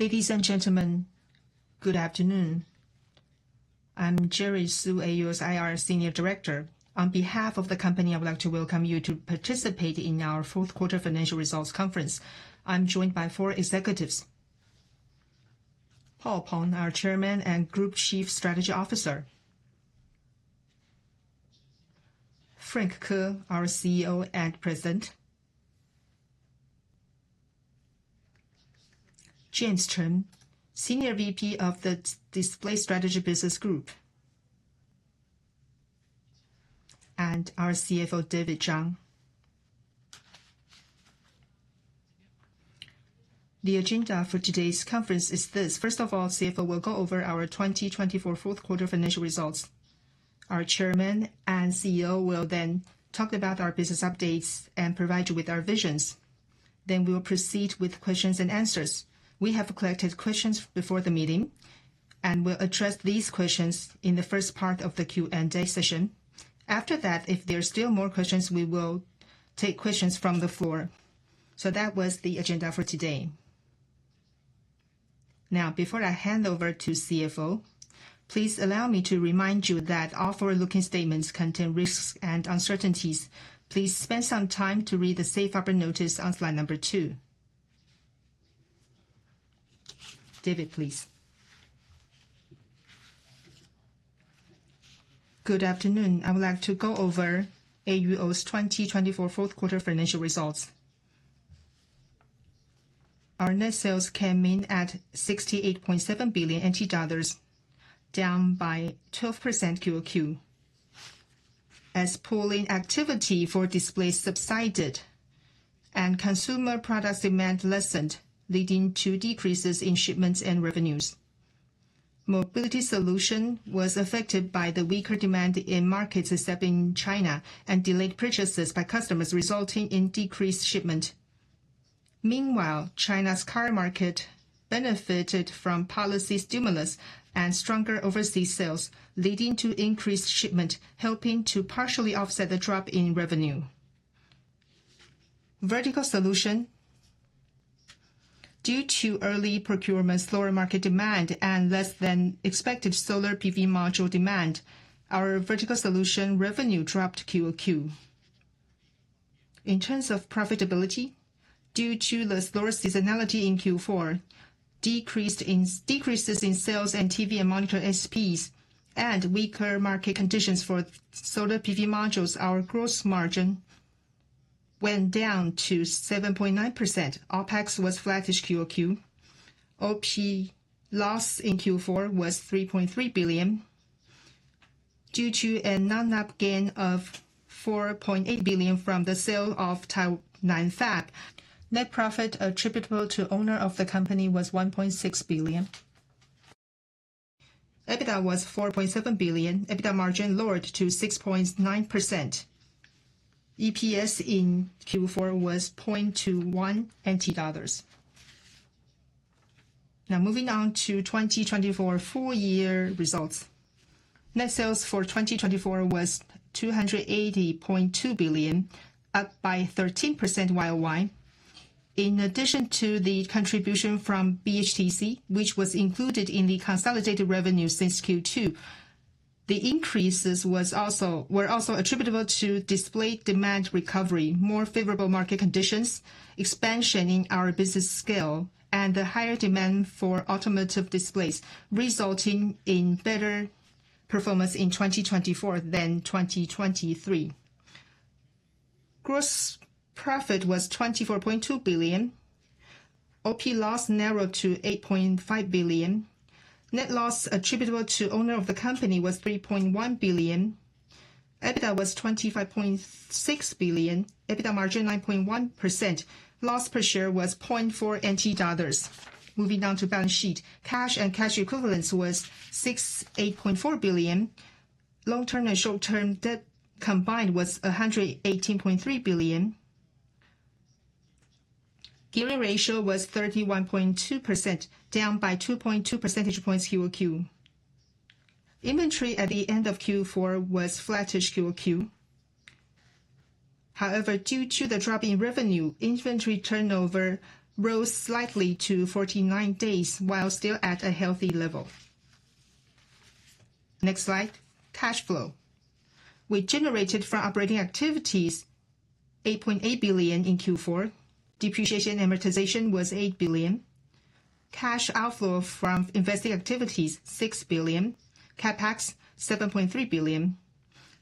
Ladies and gentlemen, good afternoon. I'm Jerry Su, AUO's IR Senior Director. On behalf of the company, I would like to welcome you to participate in our Fourth Quarter Financial Results Conference. I'm joined by four executives: Paul Peng, our Chairman and Group Chief Strategy Officer, Frank Ko, our CEO and President, James Chen, Senior VP of the Display Strategy Business Group, and our CFO, David Chang. The agenda for today's conference is this: First of all, CFO will go over our 2024 fourth quarter financial results. Our Chairman and CEO will then talk about our business updates and provide you with our visions. Then we will proceed with questions and answers. We have collected questions before the meeting, and we'll address these questions in the first part of the Q&A session. After that, if there are still more questions, we will take questions from the floor. That was the agenda for today. Now, before I hand over to the CFO, please allow me to remind you that all forward-looking statements contain risks and uncertainties. Please spend some time to read the safe harbor notice on slide number two. David, please. Good afternoon. I would like to go over AUO's 2024 fourth quarter financial results. Our net sales came in at NT$68.7 billion, down by 12% QoQ, as pull-in activity for display subsided and consumer product demand lessened, leading to decreases in shipments and revenues. Mobility Solution was affected by the weaker demand in markets except in China and delayed purchases by customers, resulting in decreased shipment. Meanwhile, China's car market benefited from policy stimulus and stronger overseas sales, leading to increased shipment, helping to partially offset the drop in revenue. Vertical solution, due to early procurement, slower market demand, and less than expected solar PV module demand, our Vertical Solution revenue dropped QoQ. In terms of profitability, due to the slower seasonality in Q4, decreases in sales and TV and monitor ASPs, and weaker market conditions for solar PV modules, our gross margin went down to 7.9%. OpEx was flattish QoQ. OP loss in Q4 was NT$3.3 billion, due to a non-operating gain of NT$4.8 billion from the sale of Taiwan fab. Net profit attributable to owner of the company was NT$1.6 billion. EBITDA was NT$4.7 billion. EBITDA margin lowered to 6.9%. EPS in Q4 was NT$0.21. Now, moving on to 2024 full-year results. Net sales for 2024 was NT$280.2 billion, up by 13% year-on-year. In addition to the contribution from BHTC, which was included in the consolidated revenue since Q2, the increases were also attributable to display demand recovery, more favorable market conditions, expansion in our business scale, and the higher demand for automotive displays, resulting in better performance in 2024 than 2023. Gross profit was NT$24.2 billion. OP loss narrowed to NT$8.5 billion. Net loss attributable to owner of the company was NT$3.1 billion. EBITDA was NT$25.6 billion. EBITDA margin 9.1%. Loss per share was NT$0.4. Moving down to balance sheet, cash and cash equivalents was NT$68.4 billion. Long-term and short-term debt combined was NT$118.3 billion. Gearing ratio was 31.2%, down by 2.2 percentage points QoQ. Inventory at the end of Q4 was flattish QoQ. However, due to the drop in revenue, inventory turnover rose slightly to 49 days, while still at a healthy level. Next slide. Cash flow. We generated from operating activities NT$8.8 billion in Q4. Depreciation amortization was NT$8 billion. Cash outflow from investing activities NT$6 billion. CapEx NT$7.3 billion.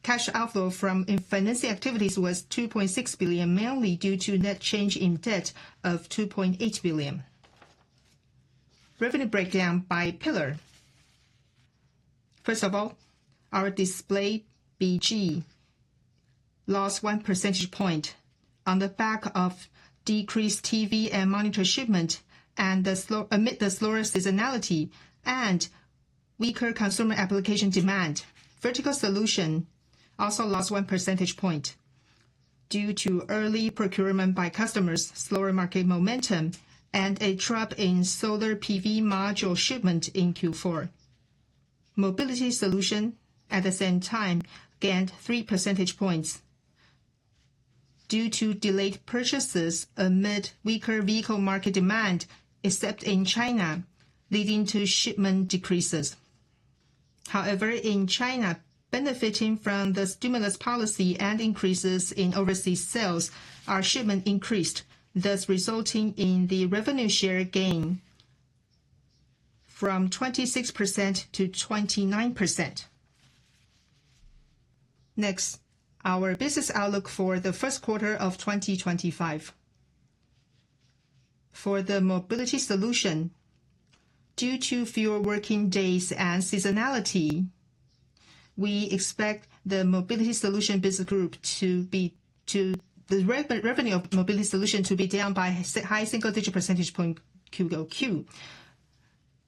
Cash outflow from financing activities was NT$2.6 billion, mainly due to net change in debt of NT$2.8 billion. Revenue breakdown by pillar. First of all, our display BG lost one percentage point on the back of decreased TV and monitor shipment and the slower seasonality and weaker consumer application demand. Vertical solution also lost one percentage point due to early procurement by customers, slower market momentum, and a drop in solar PV module shipment in Q4. Mobility Solution, at the same time, gained three percentage points due to delayed purchases amid weaker vehicle market demand, except in China, leading to shipment decreases. However, in China, benefiting from the stimulus policy and increases in overseas sales, our shipment increased, thus resulting in the revenue share gain from 26% to 29%. Next, our business outlook for the first quarter of 2025. For the mobility solution, due to fewer working days and seasonality, we expect the revenue of the mobility solution business group to be down by a high single-digit percentage point QoQ.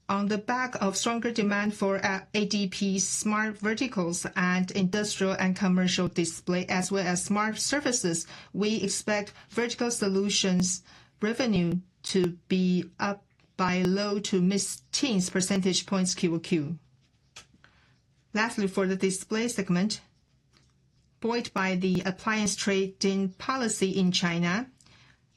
On the back of stronger demand for ADP smart verticals and industrial and commercial display, as well as smart services, we expect Vertical Solutions revenue to be up by low- to mid-teens percentage points QoQ. Lastly, for the display segment, buoyed by the appliance trade-in policy in China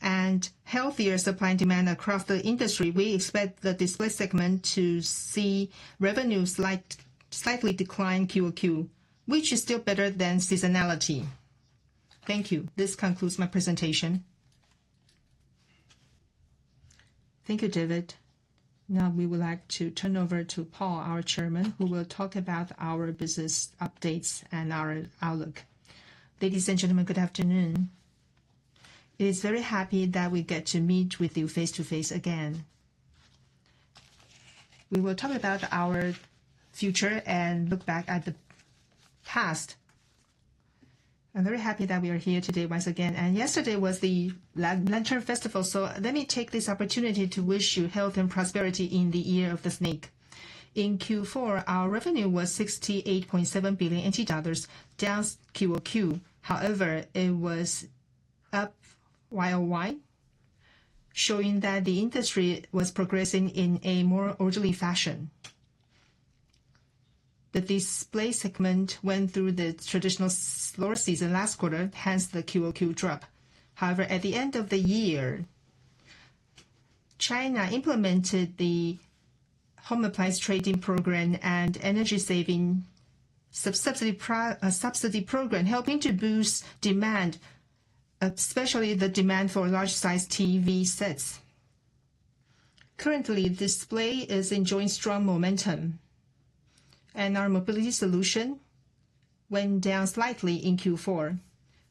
and healthier supply and demand across the industry, we expect the display segment to see revenues slightly decline QoQ, which is still better than seasonality. Thank you. This concludes my presentation. Thank you, David. Now, we would like to turn over to Paul, our Chairman, who will talk about our business updates and our outlook. Ladies and gentlemen, good afternoon. It is very happy that we get to meet with you face-to-face again. We will talk about our future and look back at the past. I'm very happy that we are here today once again. And yesterday was the Lantern Festival. So let me take this opportunity to wish you health and prosperity in the Year of the Snake. In Q4, our revenue was NT$68.7 billion, down QoQ. However, it was up YoY, showing that the industry was progressing in a more orderly fashion. The display segment went through the traditional slower season last quarter, hence the QoQ drop. However, at the end of the year, China implemented the home appliance trade-in program and energy-saving subsidy program, helping to boost demand, especially the demand for large-size TV sets. Currently, display is enjoying strong momentum, and our mobility solution went down slightly in Q4,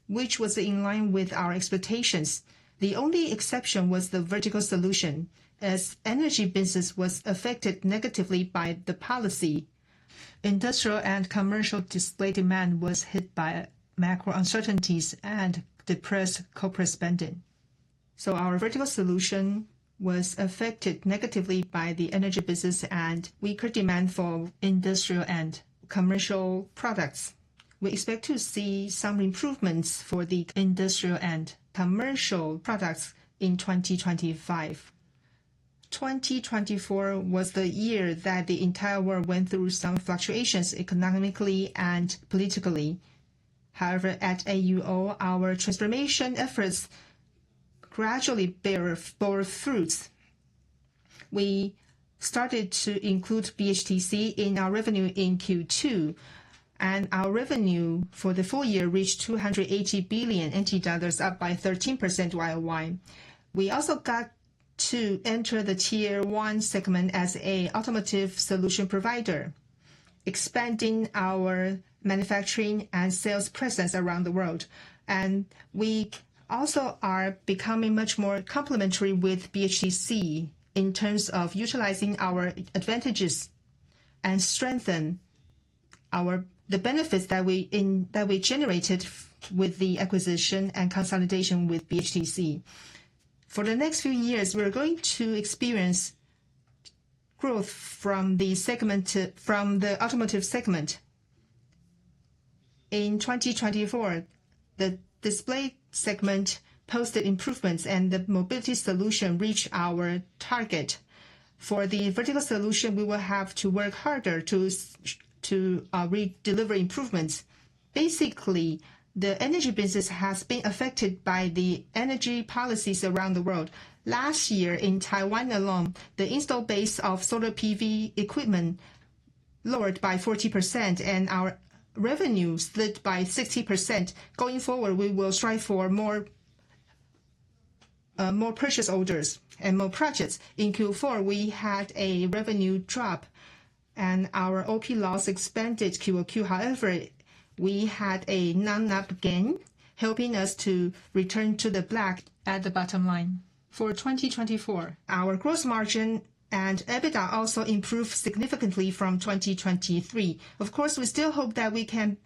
which was in line with our expectations. The only exception was the Vertical Solution, as energy business was affected negatively by the policy. Industrial and commercial display demand was hit by macro uncertainties and depressed corporate spending. So our Vertical Solution was affected negatively by the energy business and weaker demand for industrial and commercial products. We expect to see some improvements for the industrial and commercial products in 2025. 2024 was the year that the entire world went through some fluctuations economically and politically. However, at AUO, our transformation efforts gradually bore fruits. We started to include BHTC in our revenue in Q2, and our revenue for the full year reached NT$280 billion, up by 13% year-on-year. We also got to enter the tier one segment as an automotive solution provider, expanding our manufacturing and sales presence around the world. And we also are becoming much more complementary with BHTC in terms of utilizing our advantages and strengthening our benefits that we generated with the acquisition and consolidation with BHTC. For the next few years, we're going to experience growth from the segment, from the automotive segment. In 2024, the display segment posted improvements, and the mobility solution reached our target. For the Vertical Solution, we will have to work harder to deliver improvements. Basically, the energy business has been affected by the energy policies around the world. Last year, in Taiwan alone, the install base of solar PV equipment lowered by 40%, and our revenue slid by 60%. Going forward, we will strive for more purchase orders and more projects. In Q4, we had a revenue drop, and our OP loss expanded QoQ. However, we had a non-OP gain, helping us to return to the black at the bottom line. For 2024, our gross margin and EBITDA also improved significantly from 2023. Of course, we still hope that we can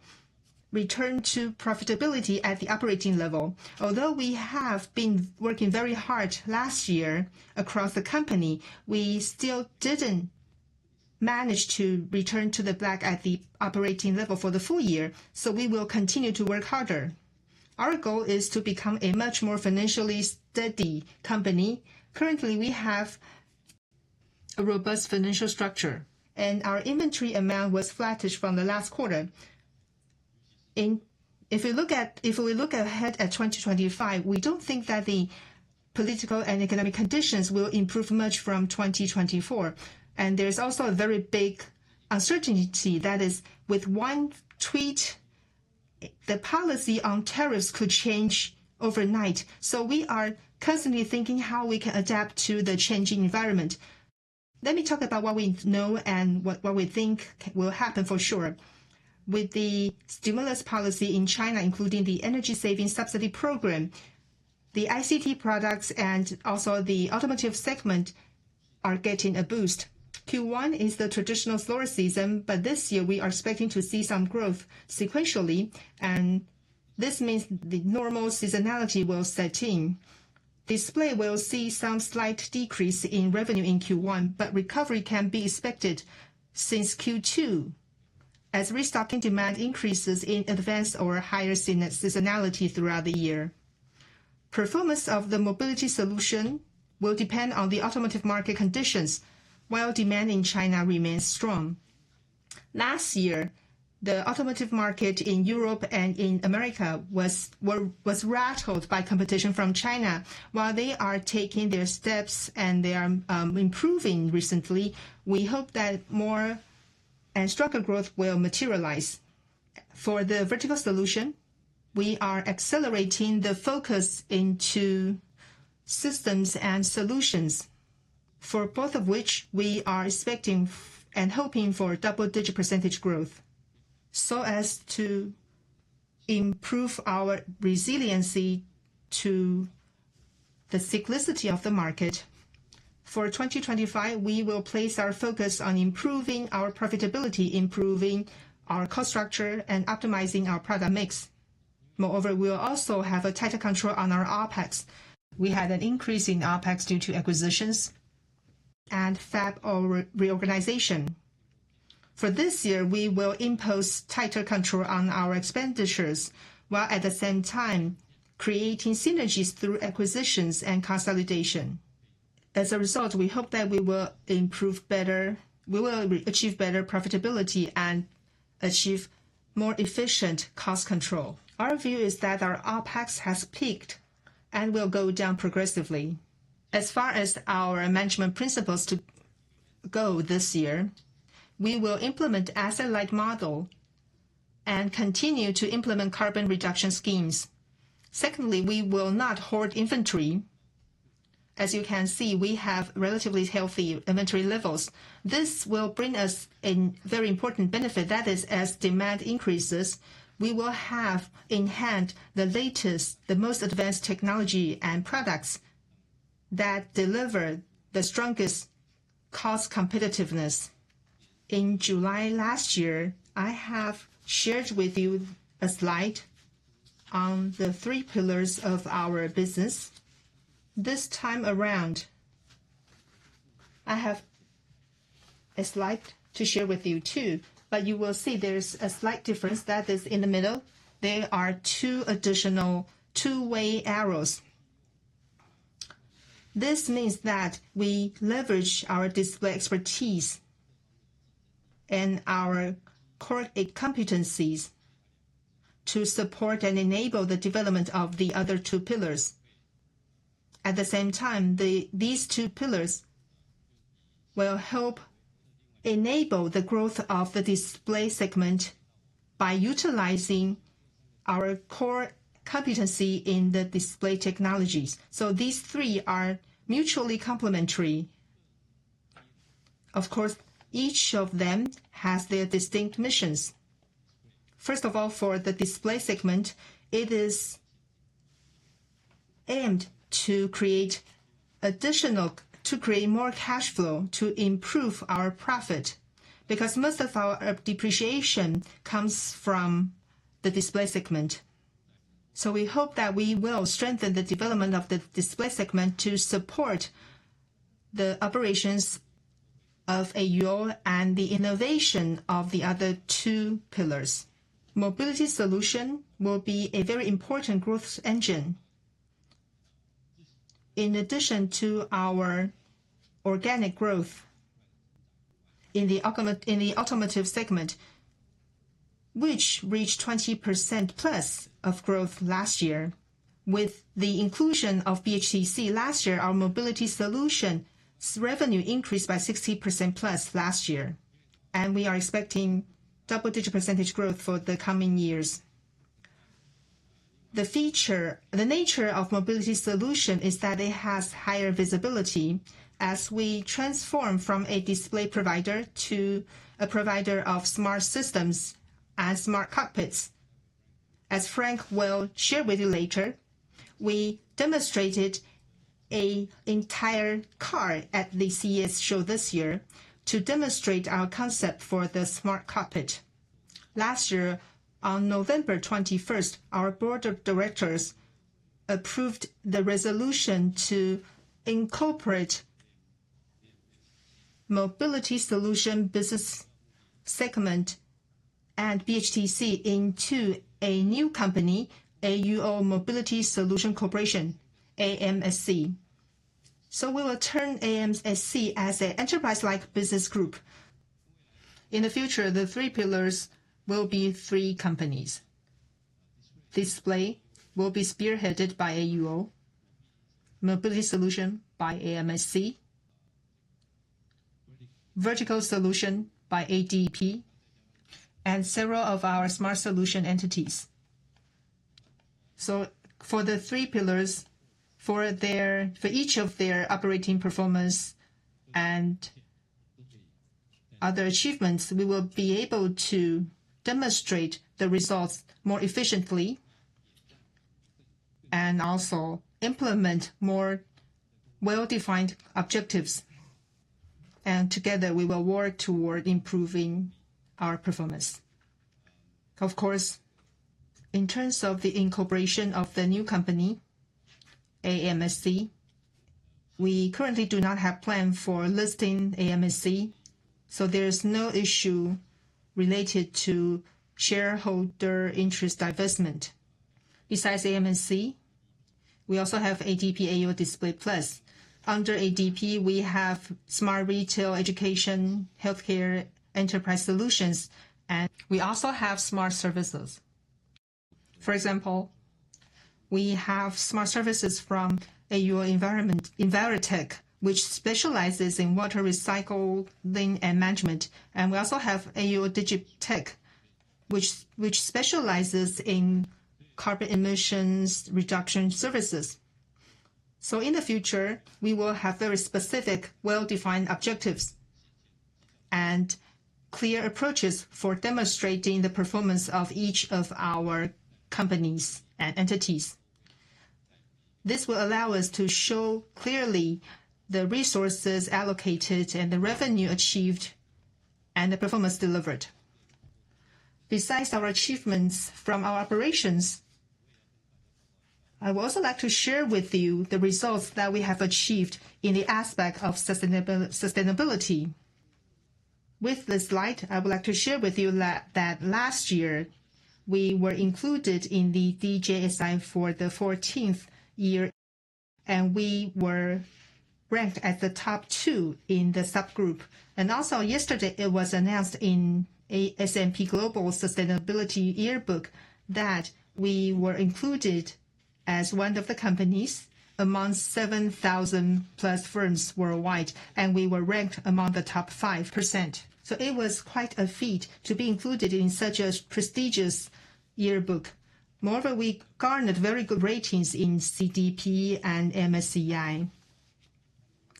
return to profitability at the operating level. Although we have been working very hard last year across the company, we still didn't manage to return to the black at the operating level for the full year. So we will continue to work harder. Our goal is to become a much more financially steady company. Currently, we have a robust financial structure, and our inventory amount was flattish from the last quarter. If we look ahead at 2025, we don't think that the political and economic conditions will improve much from 2024, and there's also a very big uncertainty that is, with one tweet, the policy on tariffs could change overnight, so we are constantly thinking how we can adapt to the changing environment. Let me talk about what we know and what we think will happen for sure. With the stimulus policy in China, including the energy-saving subsidy program, the ICT products and also the automotive segment are getting a boost. Q1 is the traditional slower season, but this year we are expecting to see some growth sequentially, and this means the normal seasonality will set in. Display will see some slight decrease in revenue in Q1, but recovery can be expected since Q2, as restocking demand increases in advance or higher seasonality throughout the year. Performance of the mobility solution will depend on the automotive market conditions, while demand in China remains strong. Last year, the automotive market in Europe and in America was rattled by competition from China. While they are taking their steps and they are improving recently, we hope that more and stronger growth will materialize. For the Vertical Solution, we are accelerating the focus into systems and solutions, for both of which we are expecting and hoping for double-digit percent growth, so as to improve our resiliency to the cyclicity of the market. For 2025, we will place our focus on improving our profitability, improving our cost structure, and optimizing our product mix. Moreover, we will also have a tighter control on our OpEx. We had an increase in OpEx due to acquisitions and fab reorganization. For this year, we will impose tighter control on our expenditures, while at the same time creating synergies through acquisitions and consolidation. As a result, we hope that we will improve better, we will achieve better profitability, and achieve more efficient cost control. Our view is that our OpEx has peaked and will go down progressively. As far as our management principles to go this year, we will implement an asset-light model and continue to implement carbon reduction schemes. Secondly, we will not hoard inventory. As you can see, we have relatively healthy inventory levels. This will bring us a very important benefit, that is, as demand increases, we will have in hand the latest, the most advanced technology and products that deliver the strongest cost competitiveness. In July last year, I have shared with you a slide on the three pillars of our business. This time around, I have a slide to share with you too, but you will see there's a slight difference that is in the middle. There are two additional two-way arrows. This means that we leverage our display expertise and our core competencies to support and enable the development of the other two pillars. At the same time, these two pillars will help enable the growth of the display segment by utilizing our core competency in the display technologies. So these three are mutually complementary. Of course, each of them has their distinct missions. First of all, for the display segment, it is aimed to create additional, to create more cash flow to improve our profit because most of our depreciation comes from the display segment. We hope that we will strengthen the development of the display segment to support the operations of AUO and the innovation of the other two pillars. Mobility Solution will be a very important growth engine. In addition to our organic growth in the automotive segment, which reached 20%+ of growth last year with the inclusion of BHTC last year, our mobility solution revenue increased by 60%+ last year. We are expecting double-digit percentage growth for the coming years. The feature, the nature of mobility solution is that it has higher visibility as we transform from a display provider to a provider of smart systems and smart cockpits. As Frank will share with you later, we demonstrated an entire car at the CES show this year to demonstrate our concept for the smart cockpit. Last year, on November 21st, our board of directors approved the resolution to incorporate mobility solution business segment and BHTC into a new company, AUO Mobility Solution Corporation, AMSC. So we will turn AMSC as an enterprise-like business group. In the future, the three pillars will be three companies. Display will be spearheaded by AUO, mobility solution by AMSC, Vertical Solution by ADP, and several of our smart solution entities. So for the three pillars, for each of their operating performance and other achievements, we will be able to demonstrate the results more efficiently and also implement more well-defined objectives, and together, we will work toward improving our performance. Of course, in terms of the incorporation of the new company, AMSC, we currently do not have a plan for listing AMSC. So there's no issue related to shareholder interest divestment. Besides AMSC, we also have ADP AUO Display Plus. Under ADP, we have smart retail, education, healthcare, enterprise solutions, and we also have smart services. For example, we have smart services from AUO Envirotech, which specializes in water recycling and management. And we also have AUO Digitech, which specializes in carbon emissions reduction services. So in the future, we will have very specific, well-defined objectives and clear approaches for demonstrating the performance of each of our companies and entities. This will allow us to show clearly the resources allocated and the revenue achieved and the performance delivered. Besides our achievements from our operations, I would also like to share with you the results that we have achieved in the aspect of sustainability. With this slide, I would like to share with you that last year, we were included in the DJSI for the 14th year, and we were ranked as the top two in the subgroup. Also yesterday, it was announced in S&P Global Sustainability Yearbook that we were included as one of the companies among 7,000+ firms worldwide, and we were ranked among the top 5%. It was quite a feat to be included in such a prestigious yearbook. Moreover, we garnered very good ratings in CDP and MSCI.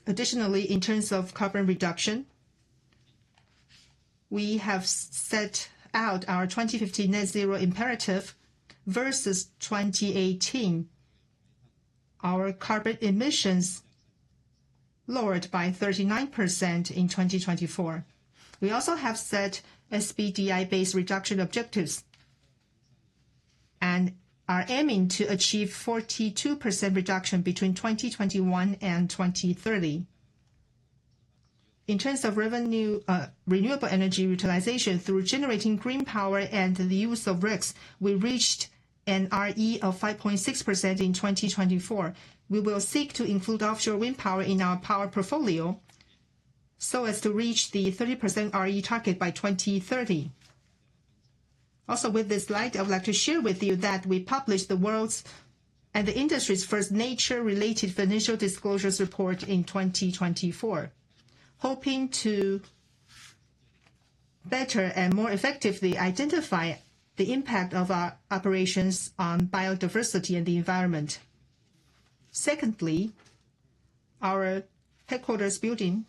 Additionally, in terms of carbon reduction, we have set out our 2015 net zero imperative versus 2018. Our carbon emissions lowered by 39% in 2024. We also have set SBTi-based reduction objectives and are aiming to achieve 42% reduction between 2021 and 2030. In terms of renewable energy utilization through generating green power and the use of RECs, we reached an RE of 5.6% in 2024. We will seek to include offshore wind power in our power portfolio so as to reach the 30% RE target by 2030. Also, with this slide, I would like to share with you that we published the world's and the industry's first nature-related financial disclosures report in 2024, hoping to better and more effectively identify the impact of our operations on biodiversity and the environment. Secondly, our headquarters building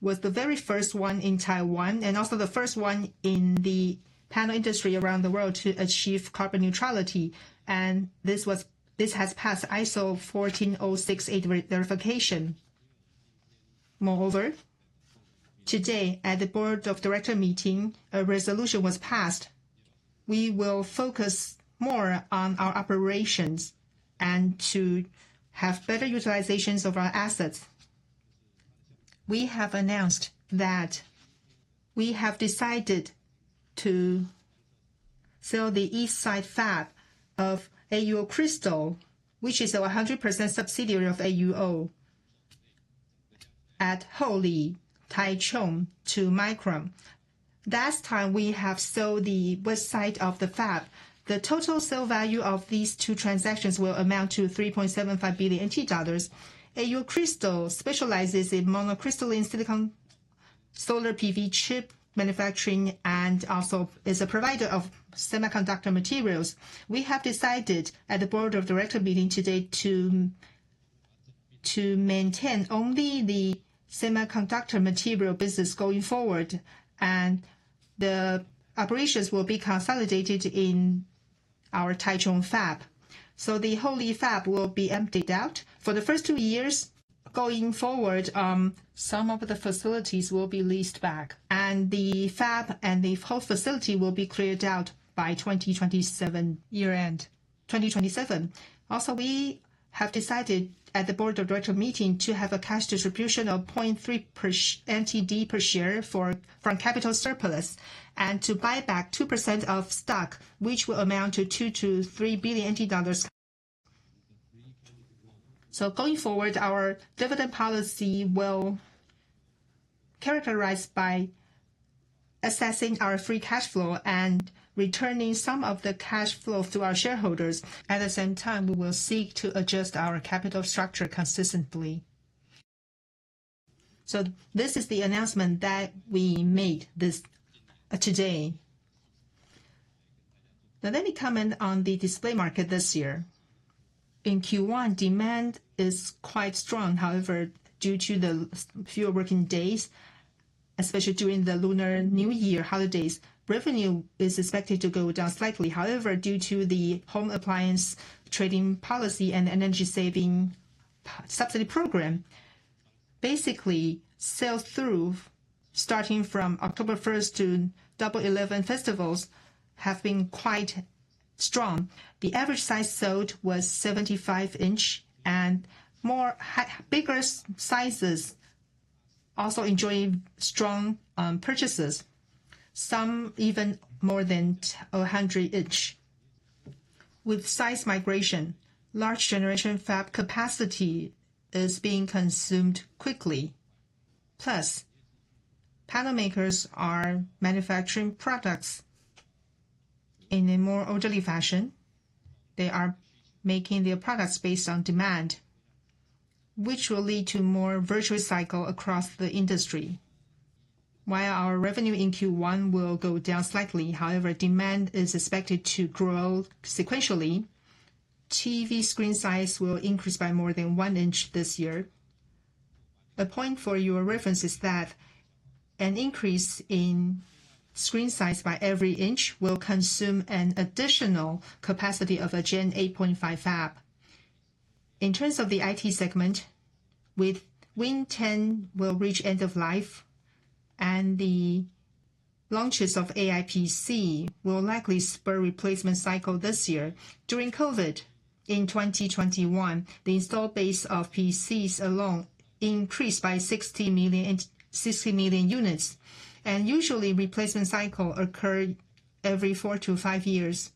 was the very first one in Taiwan and also the first one in the panel industry around the world to achieve carbon neutrality, and this has passed ISO 14068 verification. Moreover, today at the board of directors meeting, a resolution was passed. We will focus more on our operations and to have better utilizations of our assets. We have announced that we have decided to sell the east side fab of AUO Crystal, which is a 100% subsidiary of AUO, at Houli, Taichung, to Micron. Last time, we have sold the west side of the fab. The total sale value of these two transactions will amount to NT$3.75 billion. AUO Crystal specializes in monocrystalline silicon solar PV chip manufacturing and also is a provider of semiconductor materials. We have decided at the board of director meeting today to maintain only the semiconductor material business going forward, and the operations will be consolidated in our Taichung fab. So the Houli fab will be emptied out. For the first two years going forward, some of the facilities will be leased back, and the fab and the whole facility will be cleared out by 2027 year-end. Also, we have decided at the board of director meeting to have a cash distribution of 0.3 TWD per share for capital surplus and to buy back 2% of stock, which will amount to NT$2 billion-NT$3 billion. So going forward, our dividend policy will be characterized by assessing our free cash flow and returning some of the cash flow to our shareholders. At the same time, we will seek to adjust our capital structure consistently. So this is the announcement that we made today. Now, let me comment on the display market this year. In Q1, demand is quite strong. However, due to the few working days, especially during the Lunar New Year holidays, revenue is expected to go down slightly. However, due to the home appliance trade-in policy and energy-saving subsidy program, basically sales through starting from October 1st to Double 11 festivals have been quite strong. The average size sold was 75-inch, and bigger sizes also enjoy strong purchases, some even more than 100-inch. With size migration, large generation fab capacity is being consumed quickly. Plus, panel makers are manufacturing products in a more orderly fashion. They are making their products based on demand, which will lead to more virtuous cycle across the industry. While our revenue in Q1 will go down slightly, however, demand is expected to grow sequentially. TV screen size will increase by more than one inch this year. A point for your reference is that an increase in screen size by every inch will consume an additional capacity of a Gen 8.5 fab. In terms of the IT segment, with Win 10 will reach end of life and the launches of AI PC will likely spur replacement cycle this year. During COVID in 2021, the installed base of PCs alone increased by 60 million units, and usually replacement cycle occurs every four to five years.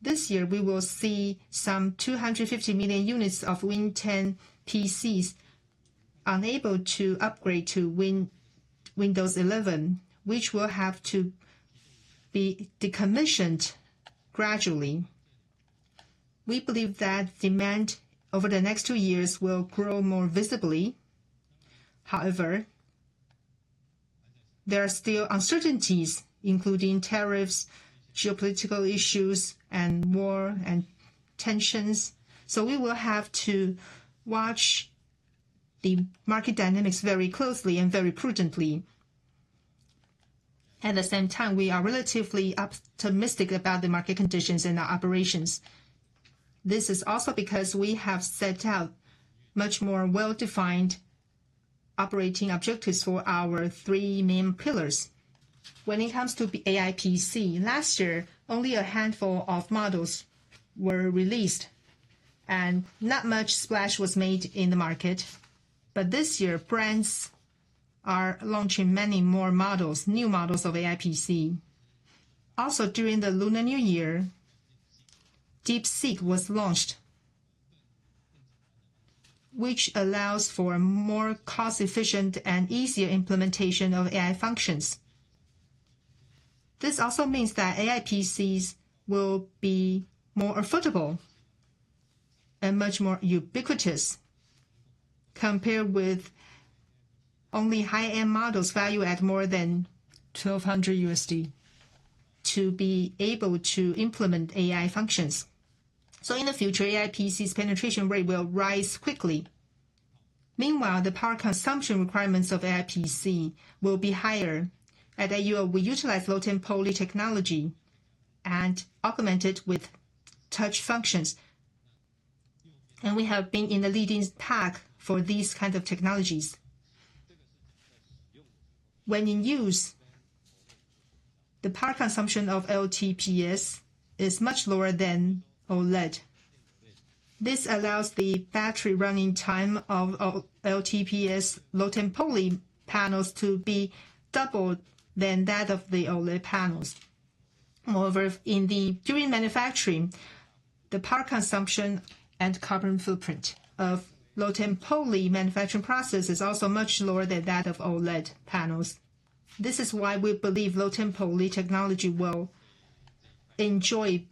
This year, we will see some 250 million units of Win 10 PCs unable to upgrade to Windows 11, which will have to be decommissioned gradually. We believe that demand over the next two years will grow more visibly. However, there are still uncertainties, including tariffs, geopolitical issues, and war and tensions, so we will have to watch the market dynamics very closely and very prudently. At the same time, we are relatively optimistic about the market conditions and our operations. This is also because we have set out much more well-defined operating objectives for our three main pillars. When it comes to AI PC, last year, only a handful of models were released, and not much splash was made in the market, but this year, brands are launching many more models, new models of AI PC. Also, during the Lunar New Year, DeepSeek was launched, which allows for more cost-efficient and easier implementation of AI functions. This also means that AI PCs will be more affordable and much more ubiquitous compared with only high-end models valued at more than $1,200 to be able to implement AI functions, so in the future, AI PC's penetration rate will rise quickly. Meanwhile, the power consumption requirements of AI PC will be higher. At AUO, we utilize low-temp poly technology and augment it with touch functions, and we have been in the leading pack for these kinds of technologies. When in use, the power consumption of LTPS is much lower than OLED. This allows the battery running time of LTPS low-temp poly panels to be double than that of the OLED panels. Moreover, during manufacturing, the power consumption and carbon footprint of low-temp poly manufacturing processes is also much lower than that of OLED panels. This is why we believe low-temp poly technology will enjoy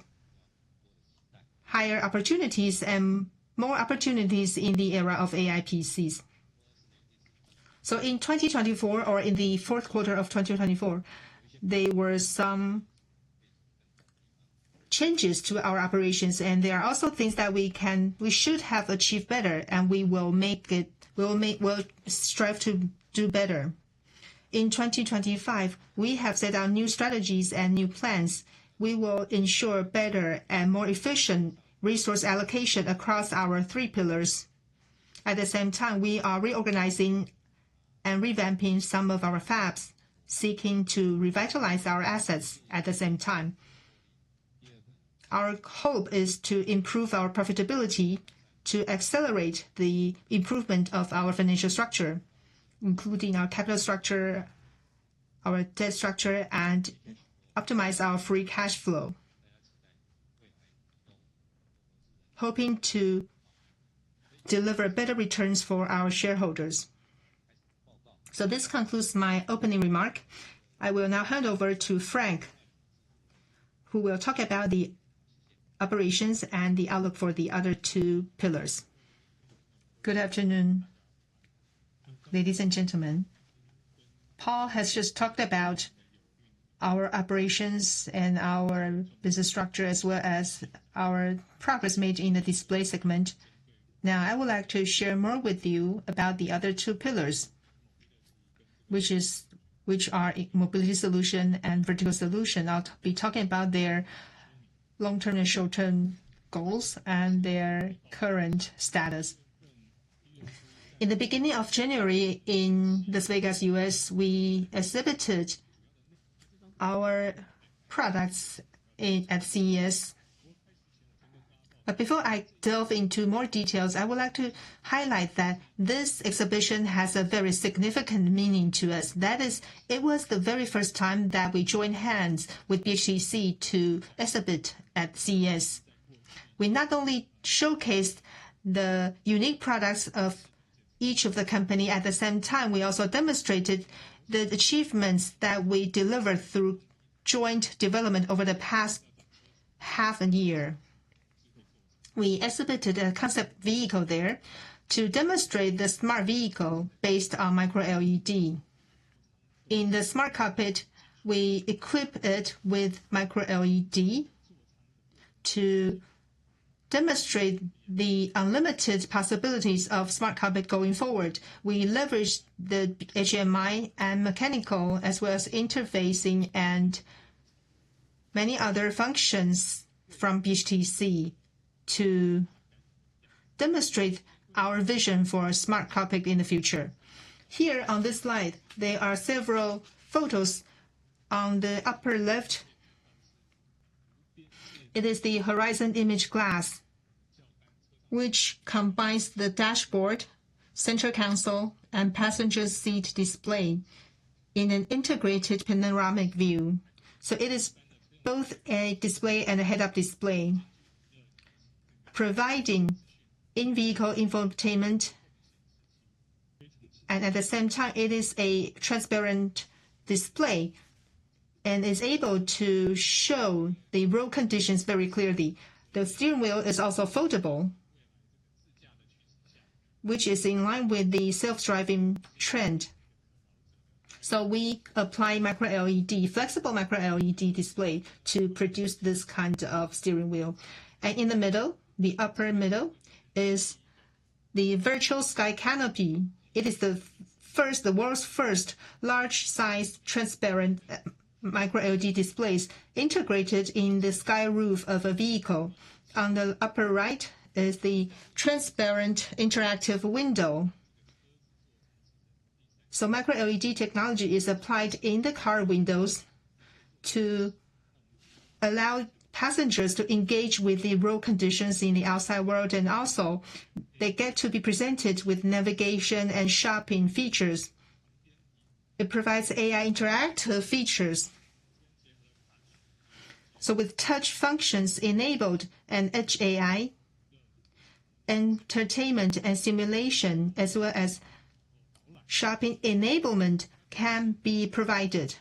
higher opportunities and more opportunities in the era of AI PCs. So in 2024, or in the fourth quarter of 2024, there were some changes to our operations, and there are also things that we should have achieved better, and we will make it. We will strive to do better. In 2025, we have set out new strategies and new plans. We will ensure better and more efficient resource allocation across our three pillars. At the same time, we are reorganizing and revamping some of our fabs, seeking to revitalize our assets at the same time. Our hope is to improve our profitability to accelerate the improvement of our financial structure, including our capital structure, our debt structure, and optimize our free cash flow, hoping to deliver better returns for our shareholders. So this concludes my opening remark. I will now hand over to Frank, who will talk about the operations and the outlook for the other two pillars. Good afternoon, ladies and gentlemen. Paul has just talked about our operations and our business structure, as well as our progress made in the display segment. Now, I would like to share more with you about the other two pillars, which are mobility solution and Vertical Solution. I'll be talking about their long-term and short-term goals and their current status. In the beginning of January, in Las Vegas, U.S., we exhibited our products at CES. But before I delve into more details, I would like to highlight that this exhibition has a very significant meaning to us. That is, it was the very first time that we joined hands with BHTC to exhibit at CES. We not only showcased the unique products of each of the companies; at the same time, we also demonstrated the achievements that we delivered through joint development over the past half a year. We exhibited a concept vehicle there to demonstrate the smart vehicle based on Micro-LED. In the smart cockpit, we equipped it with Micro-LED to demonstrate the unlimited possibilities of smart cockpit going forward. We leveraged the HMI and mechanical, as well as interfacing and many other functions from BHTC to demonstrate our vision for a smart cockpit in the future. Here on this slide, there are several photos on the upper left. It is the Horizon Image Glass, which combines the dashboard, central console, and passenger seat display in an integrated panoramic view. So it is both a display and a head-up display, providing in-vehicle infotainment. And at the same time, it is a transparent display and is able to show the road conditions very clearly. The steering wheel is also foldable, which is in line with the self-driving trend. So we apply Micro-LED, flexible Micro-LED display to produce this kind of steering wheel. And in the middle, the upper middle is the Virtual Sky Canopy. It is the world's first large-sized transparent Micro-LED displays integrated in the sunroof of a vehicle. On the upper right is the transparent interactive window. So Micro-LED technology is applied in the car windows to allow passengers to engage with the road conditions in the outside world. And also, they get to be presented with navigation and shopping features. It provides AI interactive features. So with touch functions enabled and edge AI, entertainment and simulation, as well as shopping enablement, can be provided.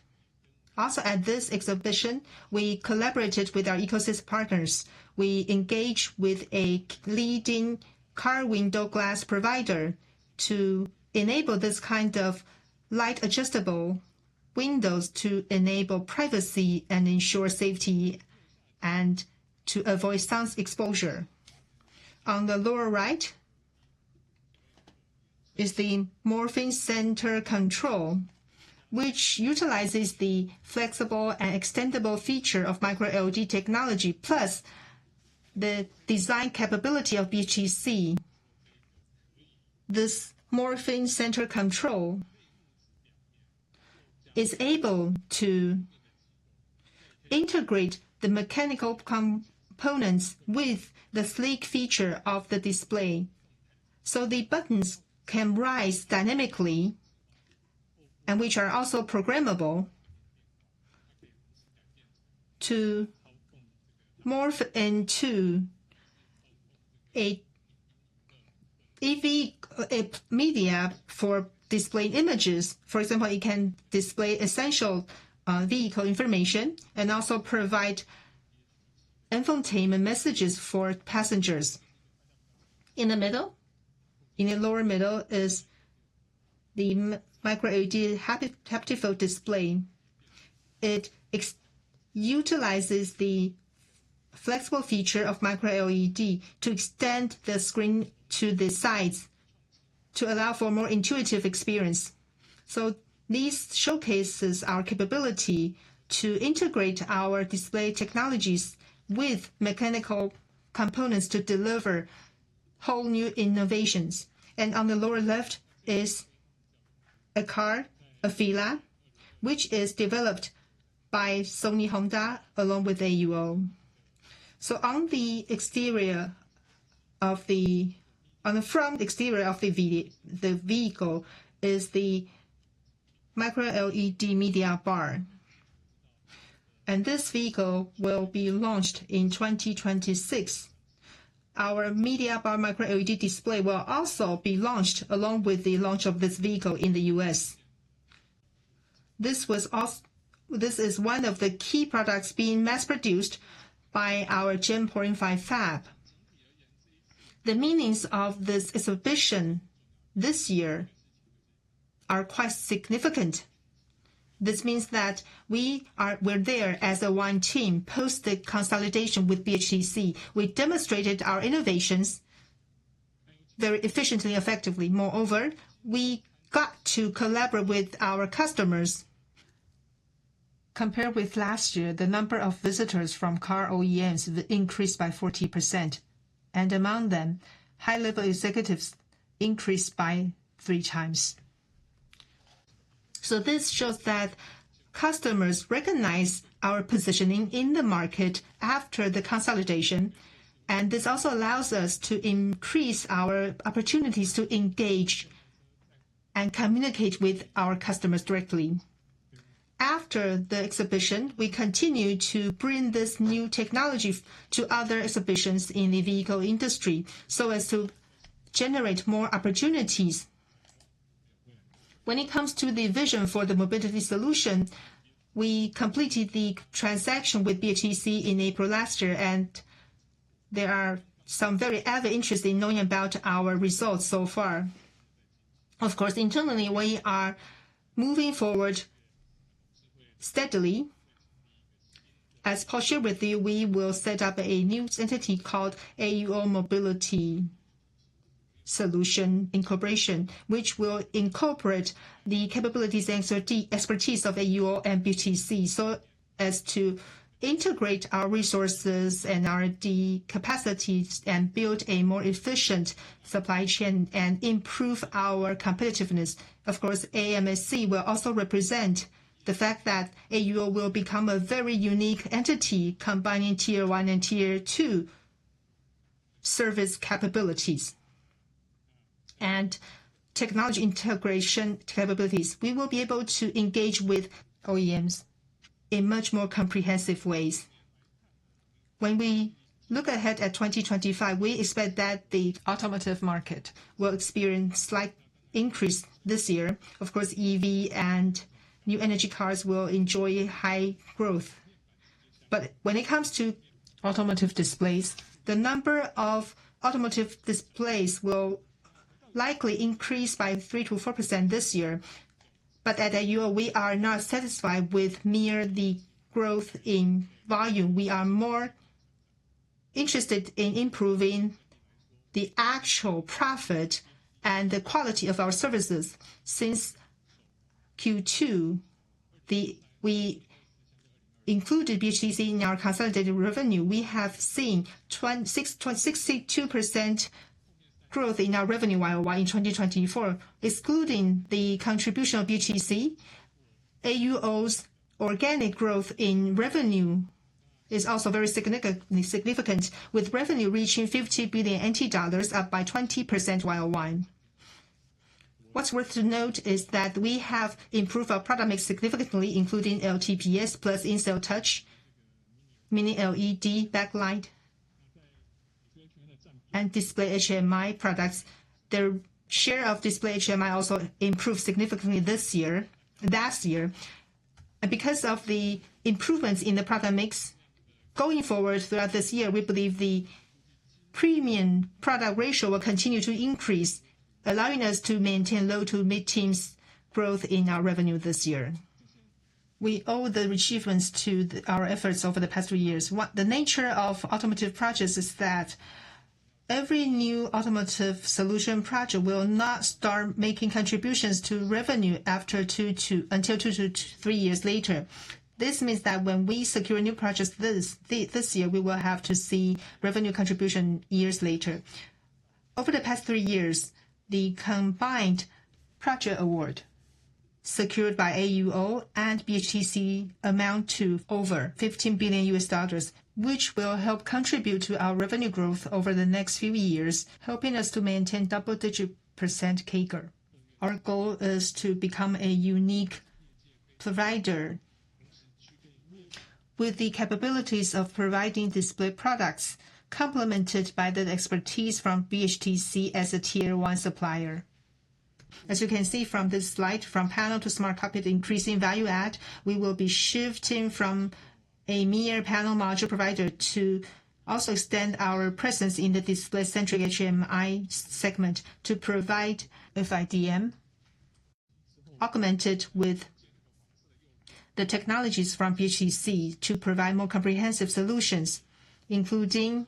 Also, at this exhibition, we collaborated with our ecosystem partners. We engaged with a leading car window glass provider to enable this kind of light-adjustable windows to enable privacy and ensure safety and to avoid sun exposure. On the lower right is the morphing center control, which utilizes the flexible and extendable feature of Micro-LED technology, plus the design capability of BHTC. This morphing center control is able to integrate the mechanical components with the sleek feature of the display. So the buttons can rise dynamically, which are also programmable to morph into a media for displaying images. For example, it can display essential vehicle information and also provide infotainment messages for passengers. In the middle, in the lower middle is the Micro-LED haptic display. It utilizes the flexible feature of Micro-LED to extend the screen to the sides to allow for a more intuitive experience. So these showcases our capability to integrate our display technologies with mechanical components to deliver whole new innovations. And on the lower left is a car, an AFEELA, which is developed by Sony Honda along with AUO. So on the exterior of the, on the front exterior of the vehicle is the Micro-LED media bar. And this vehicle will be launched in 2026. Our media bar Micro-LED display will also be launched along with the launch of this vehicle in the US. This is one of the key products being mass-produced by our Gen 4.5 fab. The meanings of this exhibition this year are quite significant. This means that we were there as a one team post the consolidation with BHTC. We demonstrated our innovations very efficiently and effectively. Moreover, we got to collaborate with our customers. Compared with last year, the number of visitors from car OEMs increased by 40%. And among them, high-level executives increased by three times. So this shows that customers recognize our positioning in the market after the consolidation. And this also allows us to increase our opportunities to engage and communicate with our customers directly. After the exhibition, we continue to bring this new technology to other exhibitions in the vehicle industry so as to generate more opportunities. When it comes to the vision for the mobility solution, we completed the transaction with BHTC in April last year, and there are some very avid interests in knowing about our results so far. Of course, internally, we are moving forward steadily. As Paul shared with you, we will set up a new entity called AUO Mobility Solution Corporation, which will incorporate the capabilities and expertise of AUO and BHTC so as to integrate our resources and our capacities and build a more efficient supply chain and improve our competitiveness. Of course, AMSC will also represent the fact that AUO will become a very unique entity combining tier one and tier two service capabilities and technology integration capabilities. We will be able to engage with OEMs in much more comprehensive ways. When we look ahead at 2025, we expect that the automotive market will experience a slight increase this year. Of course, EV and new energy cars will enjoy high growth. But when it comes to automotive displays, the number of automotive displays will likely increase by 3%-4% this year. But at AUO, we are not satisfied with merely the growth in volume. We are more interested in improving the actual profit and the quality of our services. Since Q2, we included BHTC in our consolidated revenue. We have seen 62% growth in our revenue while in 2024. Excluding the contribution of BHTC, AUO's organic growth in revenue is also very significant, with revenue reaching 50 billion NT dollars, up by 20% YoY. What's worth noting is that we have improved our product mix significantly, including LTPS plus in-cell touch, Mini LED backlight, and display HMI products. The share of display HMI also improved significantly this year, last year. And because of the improvements in the product mix, going forward throughout this year, we believe the premium product ratio will continue to increase, allowing us to maintain low to mid-teens growth in our revenue this year. We owe the achievements to our efforts over the past two years. The nature of automotive projects is that every new automotive solution project will not start making contributions to revenue until two to three years later. This means that when we secure new projects this year, we will have to see revenue contribution years later. Over the past three years, the combined project award secured by AUO and BHTC amounts to over NT$15 billion, which will help contribute to our revenue growth over the next few years, helping us to maintain double-digit percent CAGR. Our goal is to become a unique provider with the capabilities of providing display products, complemented by the expertise from BHTC as a tier one supplier. As you can see from this slide, from panel to smart cockpit, increasing value add, we will be shifting from a mere panel module provider to also extend our presence in the display-centric HMI segment to provide FIDM, augmented with the technologies from BHTC to provide more comprehensive solutions, including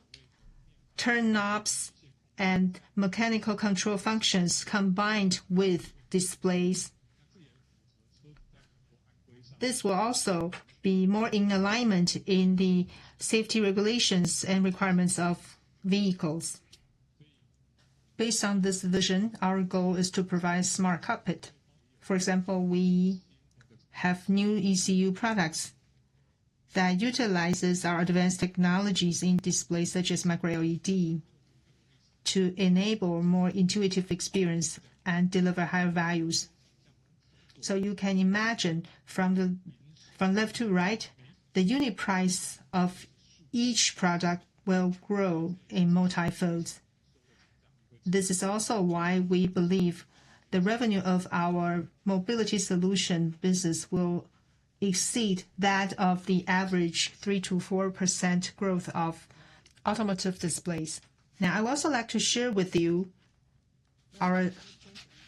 turn knobs and mechanical control functions combined with displays. This will also be more in alignment with the safety regulations and requirements of vehicles. Based on this vision, our goal is to provide a smart cockpit. For example, we have new ECU products that utilize our advanced technologies in displays such as Micro-LED to enable a more intuitive experience and deliver higher values. So you can imagine from left to right, the unit price of each product will grow in multi-folds. This is also why we believe the revenue of our mobility solution business will exceed that of the average 3%-4% growth of automotive displays. Now, I would also like to share with you our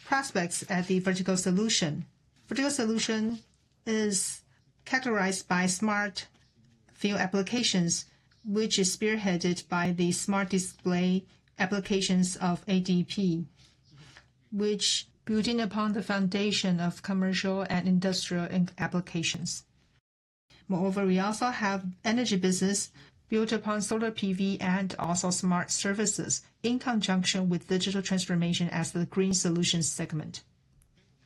prospects at the Vertical Solution. Vertical solution is characterized by smart field applications, which is spearheaded by the smart display applications of ADP, which are building upon the foundation of commercial and industrial applications. Moreover, we also have energy business built upon solar PV and also smart services in conjunction with digital transformation as the green solution segment.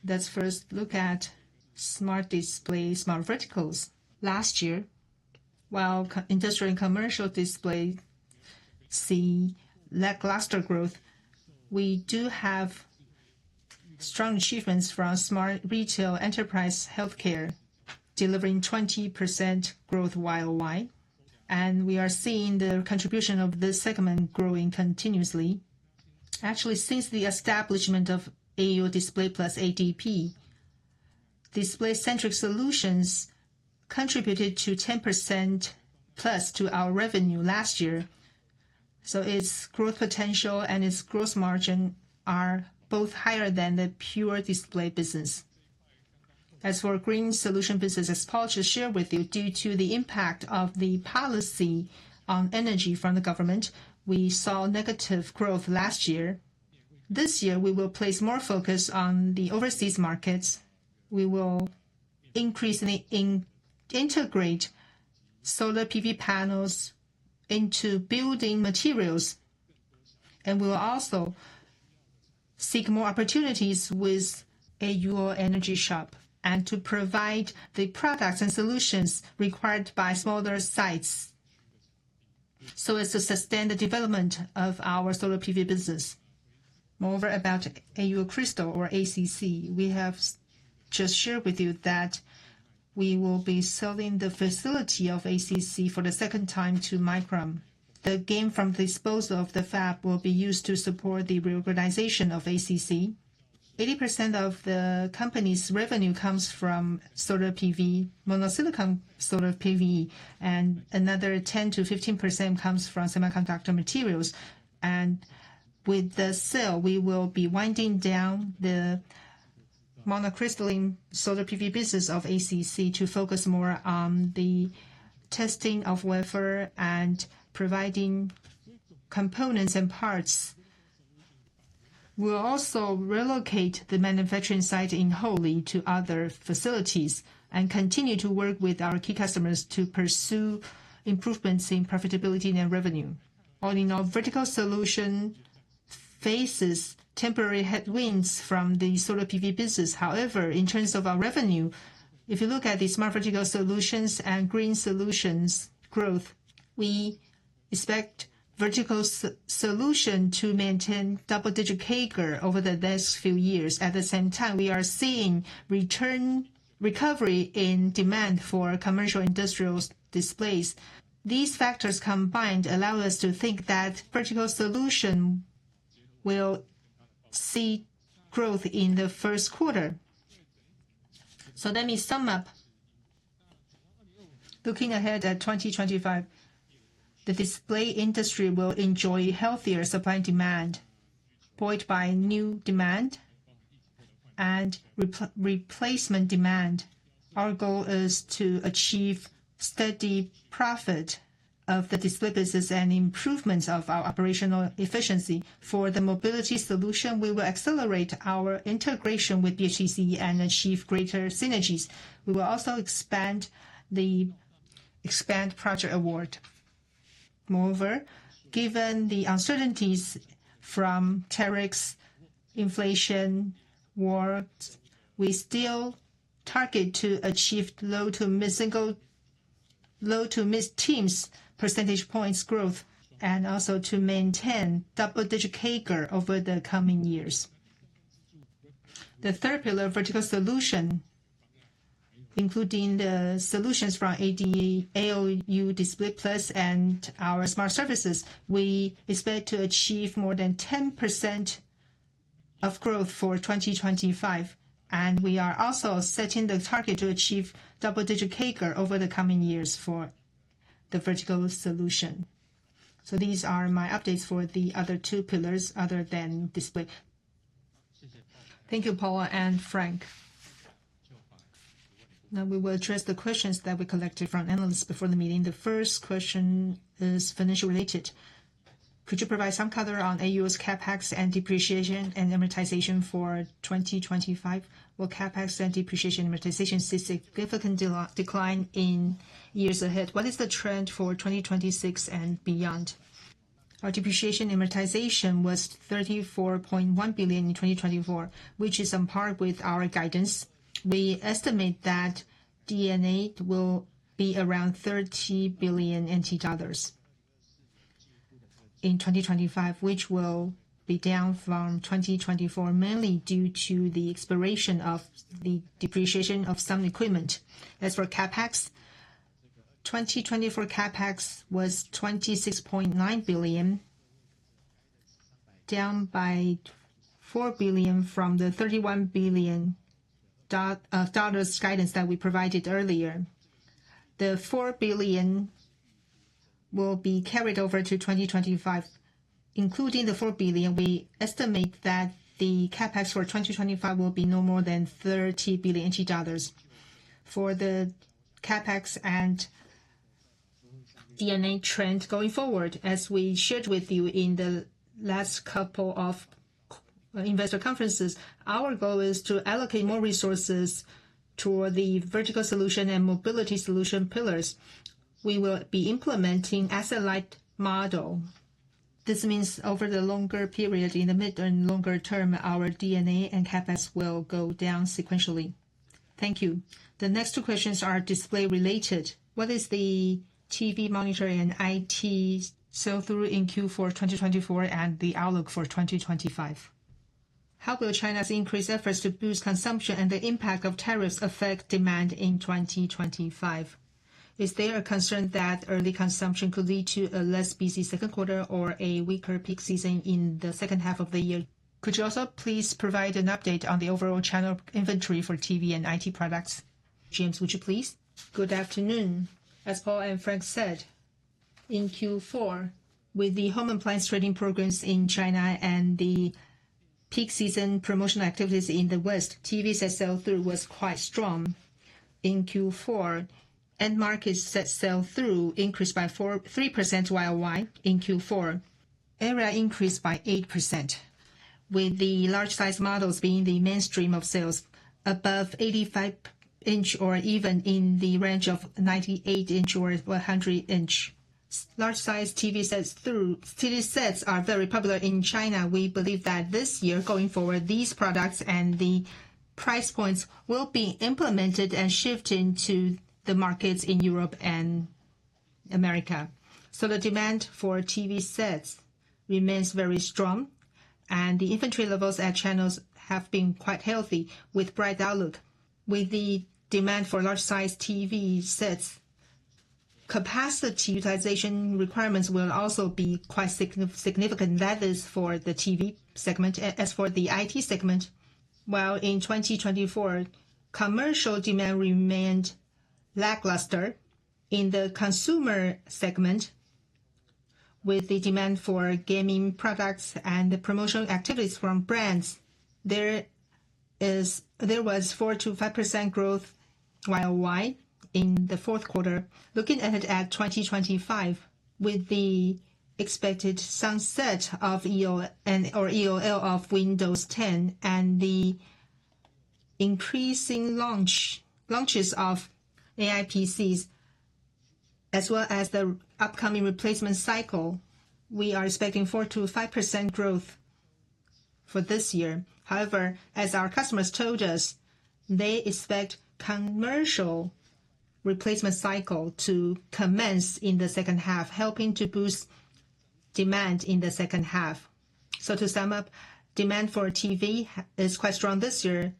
Let's first look at smart displays, smart verticals. Last year, while industrial and commercial displays see lackluster growth, we do have strong achievements from smart retail, enterprise, healthcare, delivering 20% growth YoY. And we are seeing the contribution of this segment growing continuously. Actually, since the establishment of AUO Display Plus ADP, display-centric solutions contributed to 10%+ to our revenue last year. So its growth potential and its gross margin are both higher than the pure display business. As for green solution business, as Paul just shared with you, due to the impact of the policy on energy from the government, we saw negative growth last year. This year, we will place more focus on the overseas markets. We will increasingly integrate solar PV panels into building materials, and we will also seek more opportunities with AUO Energy Shop and to provide the products and solutions required by smaller sites so as to sustain the development of our solar PV business. Moreover, about AUO Crystal or ACC, we have just shared with you that we will be selling the facility of ACC for the second time to Micron. The gain from the disposal of the fab will be used to support the reorganization of ACC. 80% of the company's revenue comes from solar PV, monocrystalline solar PV, and another 10%-15% comes from semiconductor materials. And with the sale, we will be winding down the monocrystalline solar PV business of ACC to focus more on the testing of wafer and providing components and parts. We will also relocate the manufacturing site in Houli to other facilities and continue to work with our key customers to pursue improvements in profitability and revenue. All in all, Vertical Solution faces temporary headwinds from the solar PV business. However, in terms of our revenue, if you look at the smart Vertical Solutions and green solutions growth, we expect Vertical Solution to maintain double-digit CAGR over the next few years. At the same time, we are seeing recovery in demand for commercial industrial displays. These factors combined allow us to think that Vertical Solution will see growth in the first quarter. So let me sum up. Looking ahead at 2025, the display industry will enjoy healthier supply and demand buoyed by new demand and replacement demand. Our goal is to achieve steady profit of the display business and improvements of our operational efficiency. For the mobility solution, we will accelerate our integration with BHTC and achieve greater synergies. We will also expand the project award. Moreover, given the uncertainties from tariffs, inflation, war, we still target to achieve low-to mid-teens percentage points growth and also to maintain double-digit CAGR over the coming years. The third pillar, Vertical Solution, including the solutions from ADP, AUO, Display Plus, and our smart services, we expect to achieve more than 10% of growth for 2025, and we are also setting the target to achieve double-digit CAGR over the coming years for the Vertical Solution. These are my updates for the other two pillars other than display. Thank you, Paul and Frank. Now we will address the questions that we collected from analysts before the meeting. The first question is financial related. Could you provide some color on AUO's CapEx and depreciation and amortization for 2025? Will, CapEx and depreciation amortization see significant decline in years ahead. What is the trend for 2026 and beyond? Our depreciation amortization was NT$34.1 billion in 2024, which is on par with our guidance. We estimate that D&A will be around NT$30 billion in 2025, which will be down from 2024, mainly due to the expiration of the depreciation of some equipment. As for CapEx, 2024 CapEx was NT$26.9 billion, down by NT$4 billion from the NT$31 billion dollars guidance that we provided earlier. The NT$4 billion will be carried over to 2025. Including the NT$4 billion, we estimate that the CapEx for 2025 will be no more than NT$30 billion. For the CapEx and D&A trend going forward, as we shared with you in the last couple of investor conferences, our goal is to allocate more resources toward the Vertical Solution and mobility solution pillars. We will be implementing an asset-light model. This means over the longer period, in the mid and longer term, our D&A and CapEx will go down sequentially. Thank you. The next two questions are display related. What is the TV monitor and IT sell-through in Q4 2024 and the outlook for 2025? How will China's increased efforts to boost consumption and the impact of tariffs affect demand in 2025? Is there a concern that early consumption could lead to a less busy second quarter or a weaker peak season in the second half of the year? Could you also please provide an update on the overall channel inventory for TV and IT products? James, would you please? Good afternoon. As Paul and Frank said, in Q4, with the home appliance trade-in programs in China and the peak season promotional activities in the West, TV set sell-through was quite strong in Q4, end market set sell-through increased by 3% while in Q4, area increased by 8%, with the large-sized models being the mainstream of sales above 85-inch or even in the range of 98-inch or 100-inch. Large-sized TV sets are very popular in China. We believe that this year going forward, these products and the price points will be implemented and shifted into the markets in Europe and America. So the demand for TV sets remains very strong, and the inventory levels at channels have been quite healthy with bright outlook. With the demand for large-sized TV sets, capacity utilization requirements will also be quite significant, that is, for the TV segment. As for the IT segment, while in 2024, commercial demand remained lackluster in the consumer segment, with the demand for gaming products and promotional activities from brands, there was 4%-5% growth while in the fourth quarter. Looking ahead at 2025, with the expected sunset of EOL of Windows 10 and the increasing launches of AI PCs, as well as the upcoming replacement cycle, we are expecting 4%-5% growth for this year. However, as our customers told us, they expect commercial replacement cycle to commence in the second half, helping to boost demand in the second half. So to sum up, demand for TV is quite strong this year,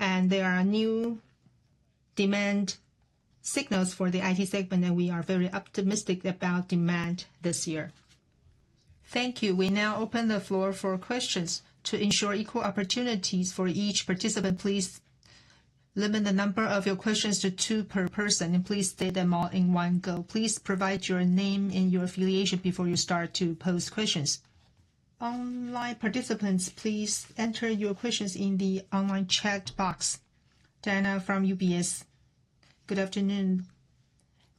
and there are new demand signals for the IT segment, and we are very optimistic about demand this year. Thank you. We now open the floor for questions to ensure equal opportunities for each participant. Please limit the number of your questions to two per person, and please state them all in one go. Please provide your name and your affiliation before you start to pose questions. Online participants, please enter your questions in the online chat box. Diana from UBS. Good afternoon.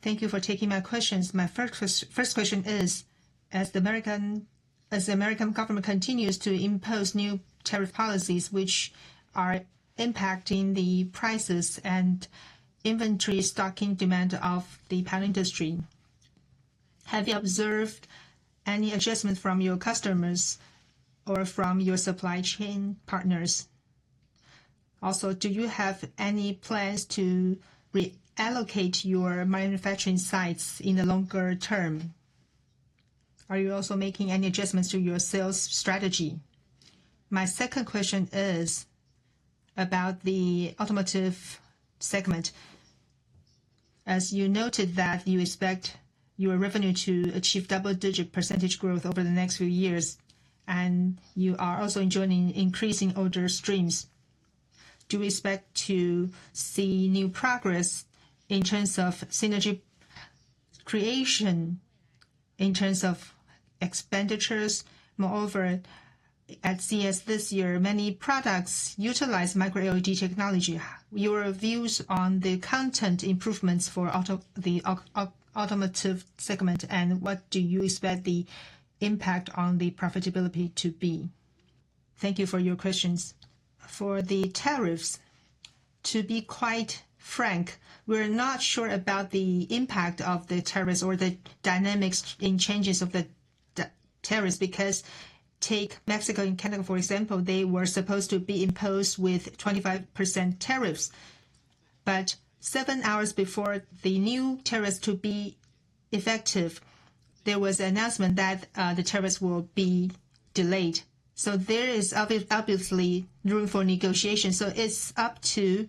Thank you for taking my questions. My first question is, as the American government continues to impose new tariff policies, which are impacting the prices and inventory stocking demand of the panel industry, have you observed any adjustments from your customers or from your supply chain partners? Also, do you have any plans to reallocate your manufacturing sites in the longer term? Are you also making any adjustments to your sales strategy? My second question is about the automotive segment. As you noted that you expect your revenue to achieve double-digit percentage growth over the next few years, and you are also enjoying increasing order streams, do you expect to see new progress in terms of synergy creation in terms of expenditures? Moreover, at CES this year, many products utilize Micro-LED technology. Your views on the content improvements for the automotive segment, and what do you expect the impact on the profitability to be? Thank you for your questions. For the tariffs, to be quite frank, we're not sure about the impact of the tariffs or the dynamics in changes of the tariffs because take Mexico and Canada, for example, they were supposed to be imposed with 25% tariffs. But seven hours before the new tariffs to be effective, there was an announcement that the tariffs will be delayed. So there is obviously room for negotiation. So it's up to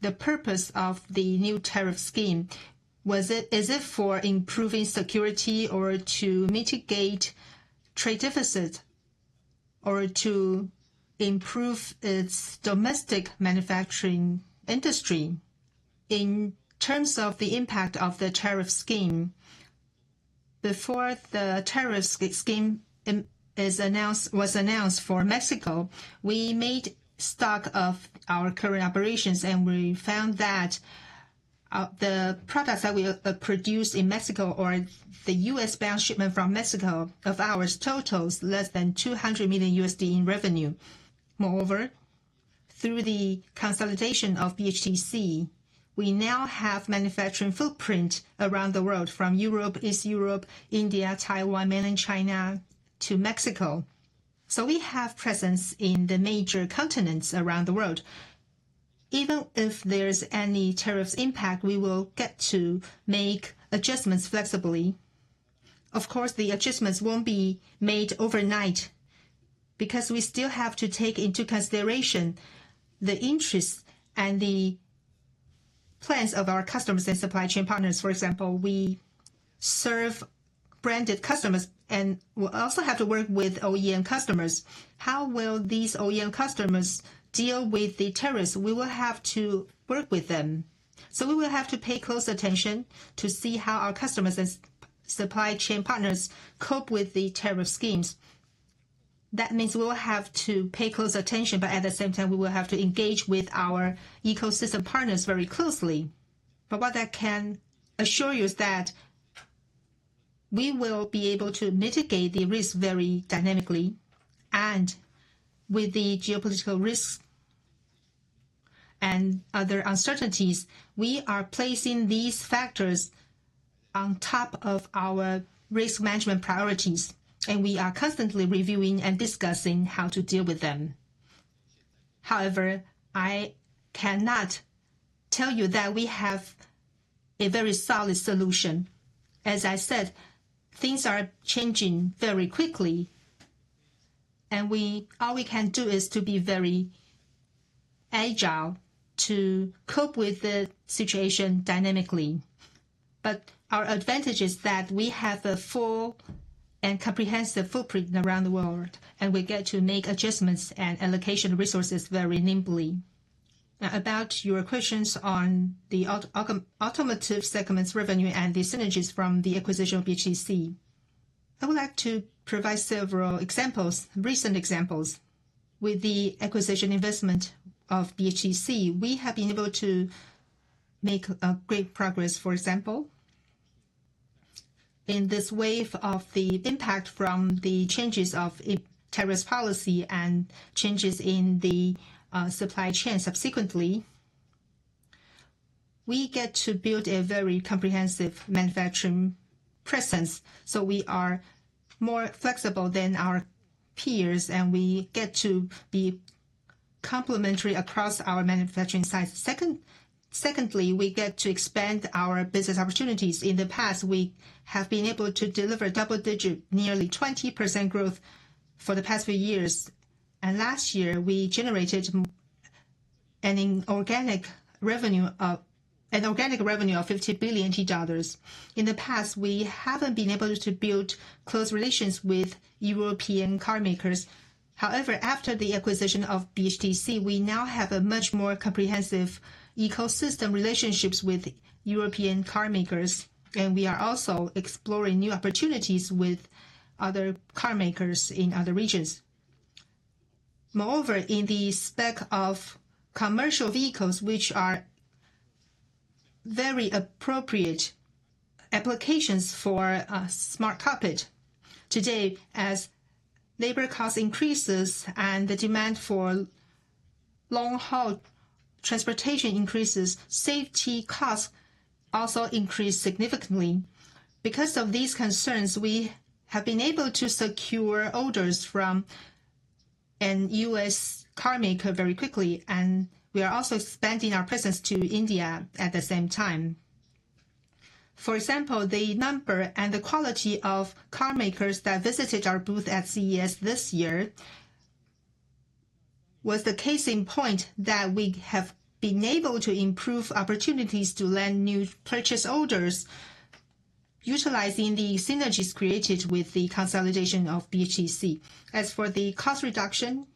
the purpose of the new tariff scheme. Is it for improving security or to mitigate trade deficit or to improve its domestic manufacturing industry? In terms of the impact of the tariff scheme, before the tariff scheme was announced for Mexico, we made stock of our current operations, and we found that the products that we produce in Mexico or the U.S.-bound shipment from Mexico of ours totals less than $200 million in revenue. Moreover, through the consolidation of BHTC, we now have manufacturing footprint around the world from Europe, East Europe, India, Taiwan, mainland China, to Mexico. So we have presence in the major continents around the world. Even if there's any tariff impact, we will get to make adjustments flexibly. Of course, the adjustments won't be made overnight because we still have to take into consideration the interests and the plans of our customers and supply chain partners. For example, we serve branded customers and will also have to work with OEM customers. How will these OEM customers deal with the tariffs? We will have to work with them. So we will have to pay close attention to see how our customers and supply chain partners cope with the tariff schemes. That means we will have to pay close attention, but at the same time, we will have to engage with our ecosystem partners very closely. But what that can assure you is that we will be able to mitigate the risk very dynamically. And with the geopolitical risks and other uncertainties, we are placing these factors on top of our risk management priorities, and we are constantly reviewing and discussing how to deal with them. However, I cannot tell you that we have a very solid solution. As I said, things are changing very quickly, and all we can do is to be very agile to cope with the situation dynamically. But our advantage is that we have a full and comprehensive footprint around the world, and we get to make adjustments and allocation resources very nimbly. Now, about your questions on the automotive segment's revenue and the synergies from the acquisition of BHTC, I would like to provide several examples, recent examples. With the acquisition investment of BHTC, we have been able to make great progress, for example, in this wave of the impact from the changes of tariffs policy and changes in the supply chain subsequently. We get to build a very comprehensive manufacturing presence, so we are more flexible than our peers, and we get to be complementary across our manufacturing sites. Secondly, we get to expand our business opportunities. In the past, we have been able to deliver double-digit, nearly 20% growth for the past few years. Last year, we generated an organic revenue of NT$ 50 billion. In the past, we haven't been able to build close relations with European carmakers. However, after the acquisition of BHTC, we now have a much more comprehensive ecosystem relationships with European carmakers, and we are also exploring new opportunities with other carmakers in other regions. Moreover, in the space of commercial vehicles, which are very appropriate applications for a smart cockpit. Today, as labor costs increases and the demand for long-haul transportation increases, safety costs also increase significantly. Because of these concerns, we have been able to secure orders from a U.S. carmaker very quickly, and we are also expanding our presence to India at the same time. For example, the number and the quality of carmakers that visited our booth at CES this year was the case in point that we have been able to improve opportunities to land new purchase orders utilizing the synergies created with the consolidation of BHTC. As for the cost reduction,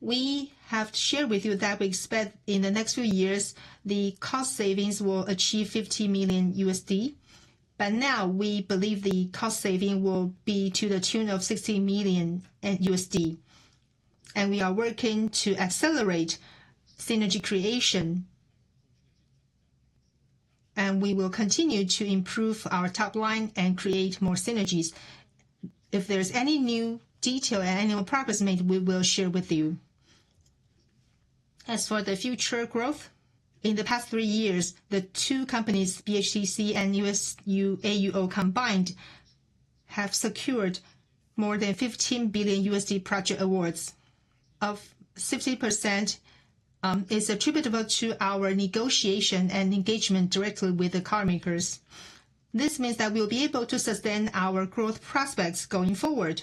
we have shared with you that we expect in the next few years the cost savings will achieve $50 million, but now we believe the cost saving will be to the tune of $60 million, and we are working to accelerate synergy creation, and we will continue to improve our top line and create more synergies. If there's any new detail and any progress made, we will share with you. As for the future growth, in the past three years, the two companies, BHTC and AUO combined, have secured more than $15 billion project awards. Of 60% is attributable to our negotiation and engagement directly with the carmakers. This means that we'll be able to sustain our growth prospects going forward.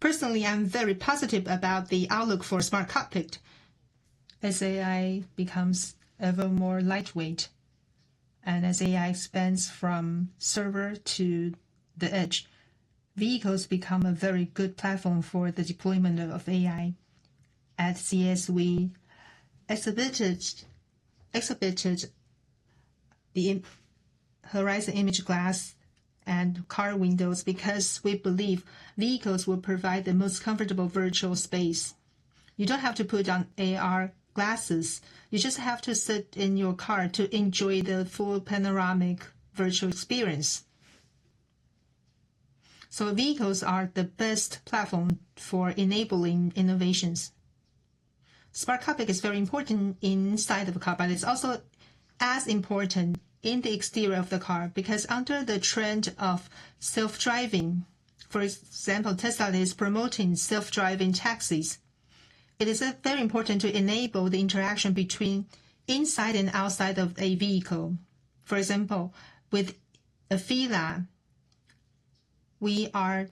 Personally, I'm very positive about the outlook for smart cockpit. As AI becomes ever more lightweight and as AI expands from server to the edge, vehicles become a very good platform for the deployment of AI. At CES, we exhibited the Horizon Image Glass and car windows because we believe vehicles will provide the most comfortable virtual space. You don't have to put on AR glasses. You just have to sit in your car to enjoy the full panoramic virtual experience. So vehicles are the best platform for enabling innovations. Smart cockpit is very important inside of a car, but it's also as important in the exterior of the car because under the trend of self-driving, for example, Tesla is promoting self-driving taxis. It is very important to enable the interaction between inside and outside of a vehicle. For example, with an AFEELA, we are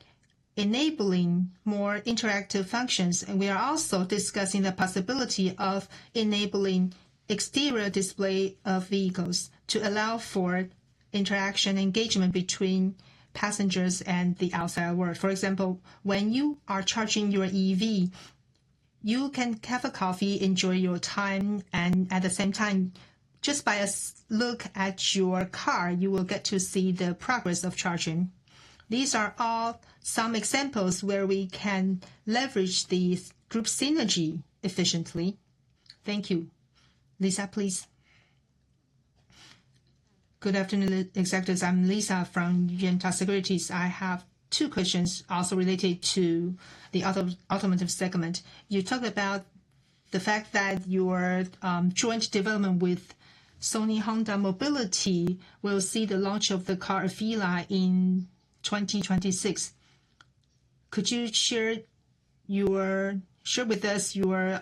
enabling more interactive functions, and we are also discussing the possibility of enabling exterior display of vehicles to allow for interaction engagement between passengers and the outside world. For example, when you are charging your EV, you can have a coffee, enjoy your time, and at the same time, just by a look at your car, you will get to see the progress of charging. These are all some examples where we can leverage the group synergy efficiently. Thank you. Lisa, please. Good afternoon, executives. I'm Lisa from Yuanta Securities. I have two questions also related to the automotive segment. You talked about the fact that your joint development with Sony Honda Mobility will see the launch of the car AFEELA in 2026. Could you share with us your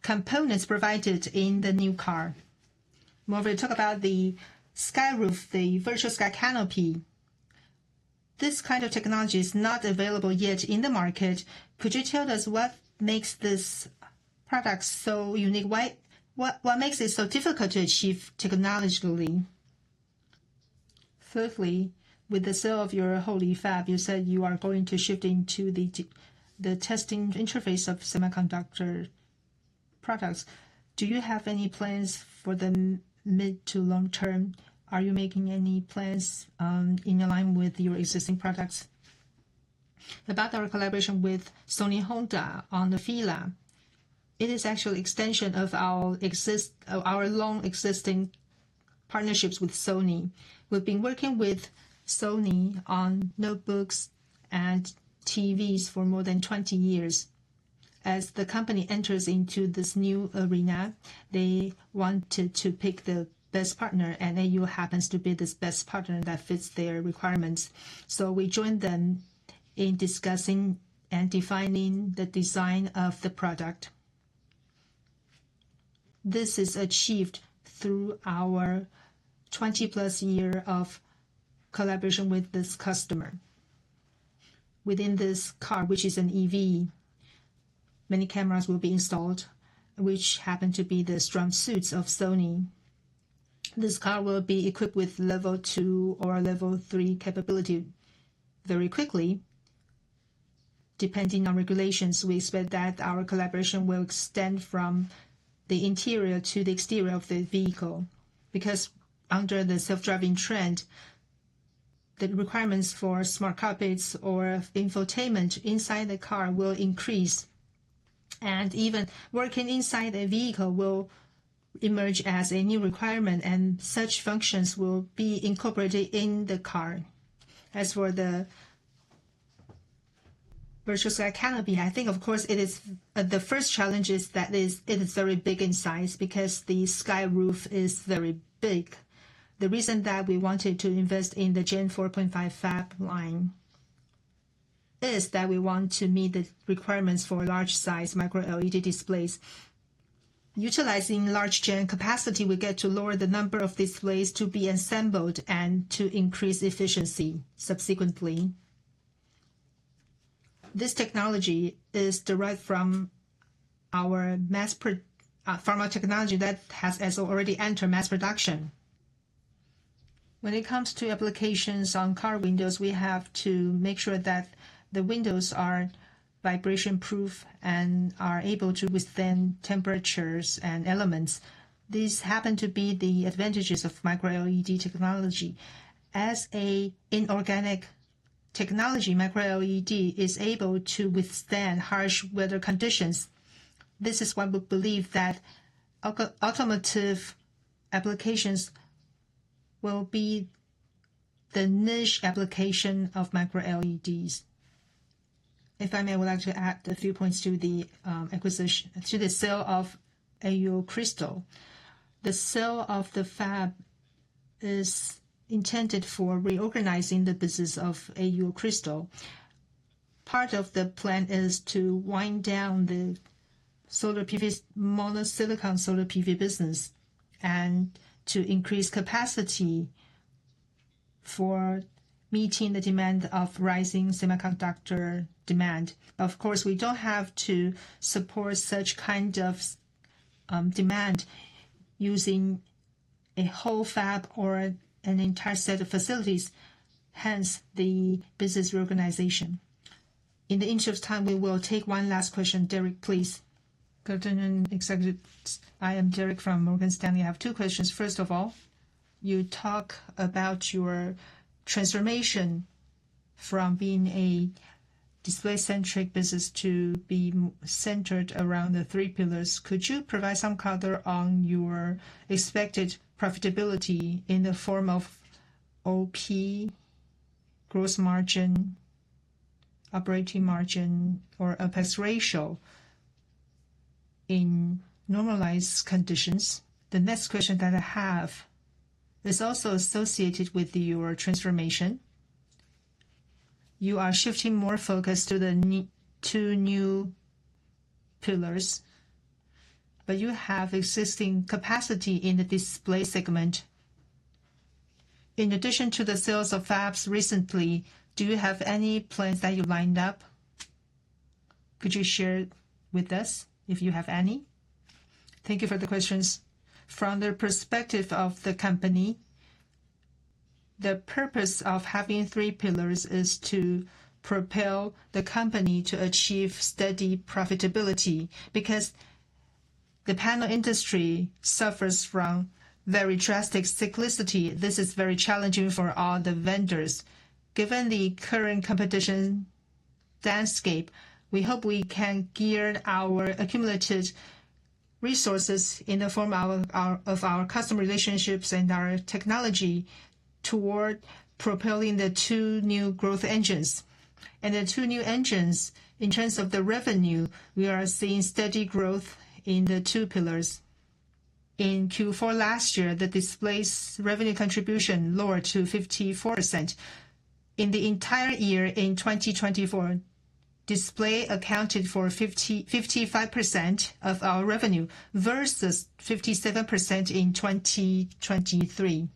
components provided in the new car? Moreover, you talk about the sunroof, the Virtual Sky Canopy. This kind of technology is not available yet in the market. Could you tell us what makes this product so unique? What makes it so difficult to achieve technologically? Thirdly, with the sale of your Houli Fab, you said you are going to shift into the testing interface of semiconductor products. Do you have any plans for the mid to long term? Are you making any plans in line with your existing products? About our collaboration with Sony Honda on the AFEELA, it is actually an extension of our long-existing partnerships with Sony. We've been working with Sony on notebooks and TVs for more than 20 years. As the company enters into this new arena, they wanted to pick the best partner, and AU happens to be this best partner that fits their requirements. So we joined them in discussing and defining the design of the product. This is achieved through our 20+ years of collaboration with this customer. Within this car, which is an EV, many cameras will be installed, which happen to be the strong suits of Sony. This car will be equipped with level two or level three capability very quickly. Depending on regulations, we expect that our collaboration will extend from the interior to the exterior of the vehicle because under the self-driving trend, the requirements for smart cockpits or infotainment inside the car will increase, and even working inside a vehicle will emerge as a new requirement, and such functions will be incorporated in the car. As for the Virtual Sky Canopy, I think, of course, the first challenge is that it is very big in size because the sky roof is very big. The reason that we wanted to invest in the Gen 4.5 Fab line is that we want to meet the requirements for large-size Micro-LED displays. Utilizing large-gen capacity, we get to lower the number of displays to be assembled and to increase efficiency subsequently. This technology is derived from our panel technology that has already entered mass production. When it comes to applications on car windows, we have to make sure that the windows are vibration-proof and are able to withstand temperatures and elements. These happen to be the advantages of Micro-LED technology. As an inorganic technology, Micro-LED is able to withstand harsh weather conditions. This is why we believe that automotive applications will be the niche application of Micro-LEDs. If I may, I would like to add a few points to the acquisition, to the sale of AUO Crystal. The sale of the Fab is intended for reorganizing the business of AUO Crystal. Part of the plan is to wind down the solar PV, monosilicon solar PV business, and to increase capacity for meeting the demand of rising semiconductor demand. Of course, we don't have to support such kind of demand using a whole Fab or an entire set of facilities, hence the business reorganization. In the interest of time, we will take one last question. Derrick, please. Good afternoon, executives. I am Derrick from Morgan Stanley. I have two questions. First of all, you talk about your transformation from being a display-centric business to being centered around the three pillars. Could you provide some color on your expected profitability in the form of OP, gross margin, operating margin, or OpEx ratio in normalized conditions? The next question that I have is also associated with your transformation. You are shifting more focus to the two new pillars, but you have existing capacity in the display segment. In addition to the sales of fabs recently, do you have any plans that you've lined up? Could you share with us if you have any? Thank you for the questions. From the perspective of the company, the purpose of having three pillars is to propel the company to achieve steady profitability because the panel industry suffers from very drastic cyclicity. This is very challenging for all the vendors. Given the current competition landscape, we hope we can gear our accumulated resources in the form of our customer relationships and our technology toward propelling the two new growth engines, and the two new engines, in terms of the revenue, we are seeing steady growth in the two pillars. In Q4 last year, the display's revenue contribution lowered to 54%. In the entire year in 2024, display accounted for 55% of our revenue versus 57% in 2023.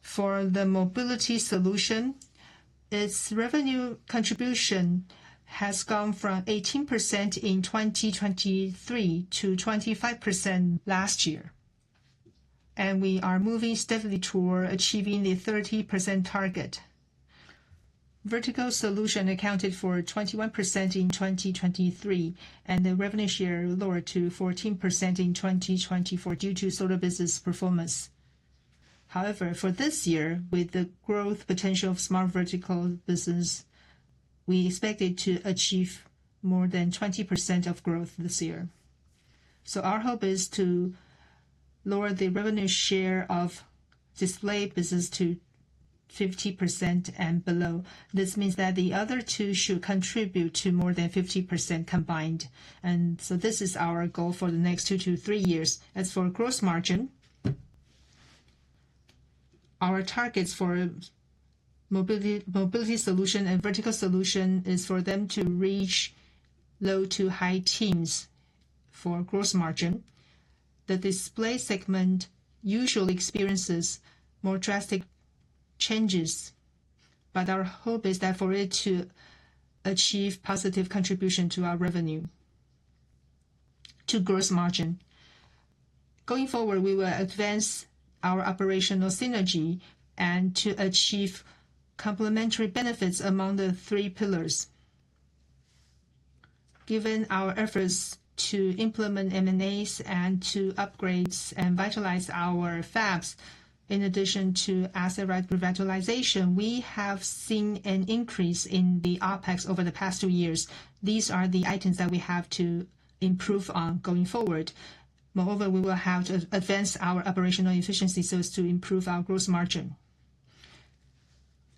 For the mobility solution, its revenue contribution has gone from 18% in 2023 to 25% last year, and we are moving steadily toward achieving the 30% target. Vertical solution accounted for 21% in 2023, and the revenue share lowered to 14% in 2024 due to solar business performance. However, for this year, with the growth potential of smart vertical business, we expected to achieve more than 20% of growth this year. Our hope is to lower the revenue share of display business to 50% and below. This means that the other two should contribute to more than 50% combined. This is our goal for the next two to three years. As for gross margin, our targets for mobility solution and Vertical Solution is for them to reach low to high teens for gross margin. The display segment usually experiences more drastic changes, but our hope is that for it to achieve positive contribution to our revenue, to gross margin. Going forward, we will advance our operational synergy and to achieve complementary benefits among the three pillars. Given our efforts to implement M&As and to upgrades and vitalize our fabs, in addition to asset revitalization, we have seen an increase in the OpEx over the past two years. These are the items that we have to improve on going forward. Moreover, we will have to advance our operational efficiency so as to improve our gross margin.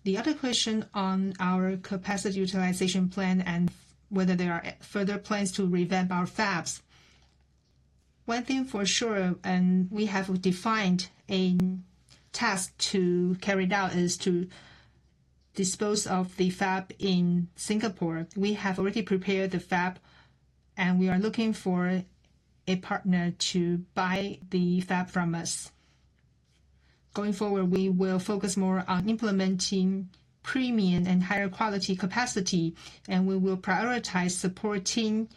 The other question on our capacity utilization plan and whether there are further plans to revamp our fabs. One thing for sure, and we have defined a task to carry it out, is to dispose of the fab in Singapore. We have already prepared the fab, and we are looking for a partner to buy the fab from us. Going forward, we will focus more on implementing premium and higher quality capacity, and we will prioritize supporting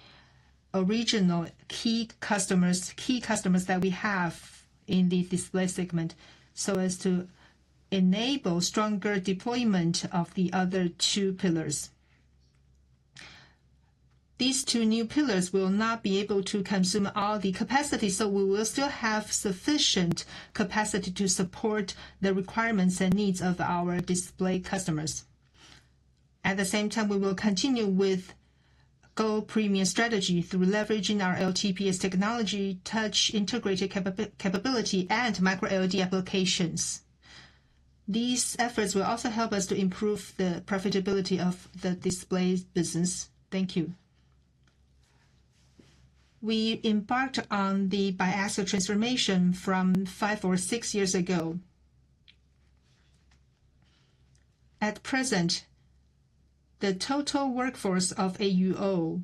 original key customers that we have in the display segment so as to enable stronger deployment of the other two pillars. These two new pillars will not be able to consume all the capacity, so we will still have sufficient capacity to support the requirements and needs of our display customers. At the same time, we will continue with gold premium strategy through leveraging our LTPS technology, touch integrated capability, and Micro-LED applications. These efforts will also help us to improve the profitability of the display business. Thank you. We embarked on the biaxal transformation from five or six years ago. At present, the total workforce of AUO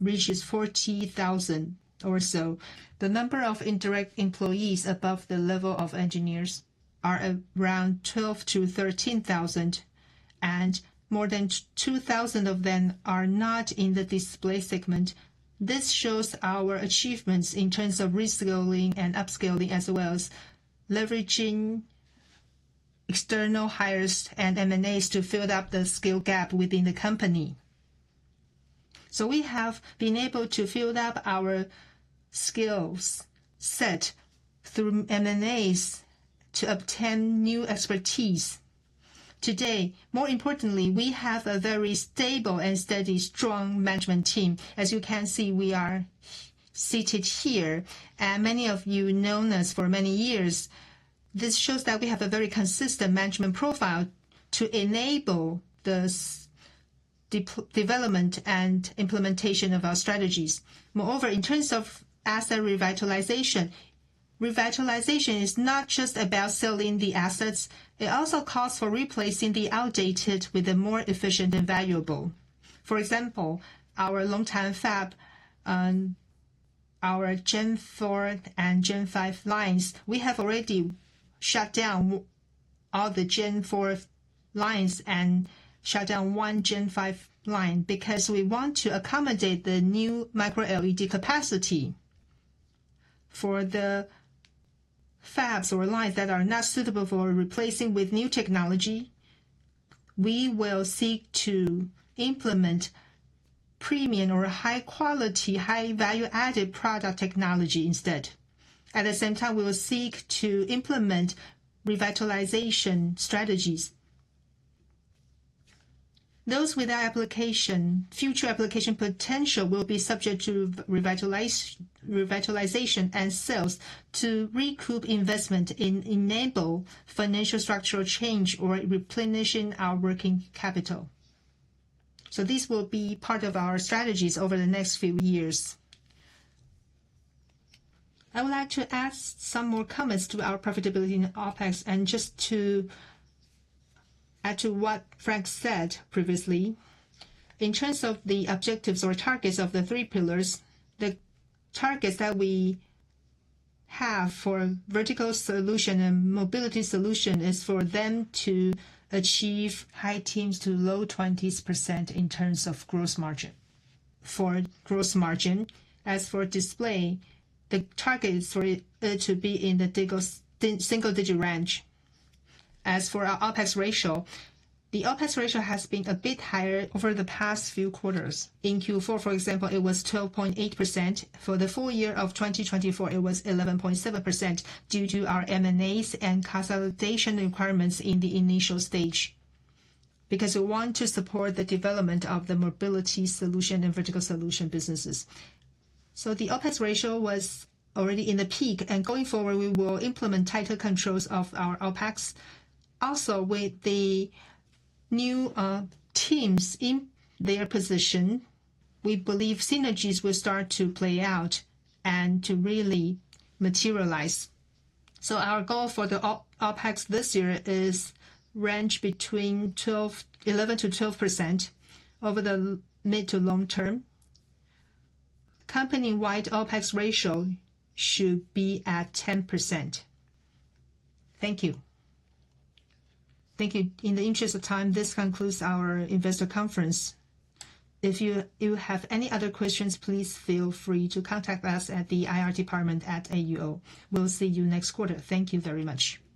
reaches 40,000 or so. The number of indirect employees above the level of engineers are around 12,000-13,000, and more than 2,000 of them are not in the display segment. This shows our achievements in terms of reskilling and upskilling as well as leveraging external hires and M&As to fill up the skill gap within the company. So we have been able to fill up our skills set through M&As to obtain new expertise. Today, more importantly, we have a very stable and steady strong management team. As you can see, we are seated here, and many of you know us for many years. This shows that we have a very consistent management profile to enable the development and implementation of our strategies. Moreover, in terms of asset revitalization, revitalization is not just about selling the assets. It also calls for replacing the outdated with a more efficient and valuable. For example, our long-time Fab, our Gen 4 and Gen 5 lines, we have already shut down all the Gen 4 lines and shut down one Gen 5 line because we want to accommodate the new Micro-LED capacity. For the fabs or lines that are not suitable for replacing with new technology, we will seek to implement premium or high-quality, high-value-added product technology instead. At the same time, we will seek to implement revitalization strategies. Those with application, future application potential will be subject to revitalization and sales to recoup investment and enable financial structural change or replenishing our working capital. So these will be part of our strategies over the next few years. I would like to add some more comments to our profitability and OpEx and just to add to what Frank said previously. In terms of the objectives or targets of the three pillars, the targets that we have for Vertical Solution and mobility solution is for them to achieve high teens to low 20% in terms of gross margin. For gross margin, as for display, the target is for it to be in the single-digit range. As for our OpEx ratio, the OpEx ratio has been a bit higher over the past few quarters. In Q4, for example, it was 12.8%. For the full year of 2024, it was 11.7% due to our M&As and consolidation requirements in the initial stage because we want to support the development of the mobility solution and Vertical Solution businesses. So the OpEx ratio was already in the peak, and going forward, we will implement tighter controls of our OpEx. Also, with the new teams in their position, we believe synergies will start to play out and to really materialize. So our goal for the OpEx this year is range between 11%-12% over the mid to long term. Company-wide OpEx ratio should be at 10%. Thank you. Thank you. In the interest of time, this concludes our investor conference. If you have any other questions, please feel free to contact us at the IR department at AUO. We'll see you next quarter. Thank you very much.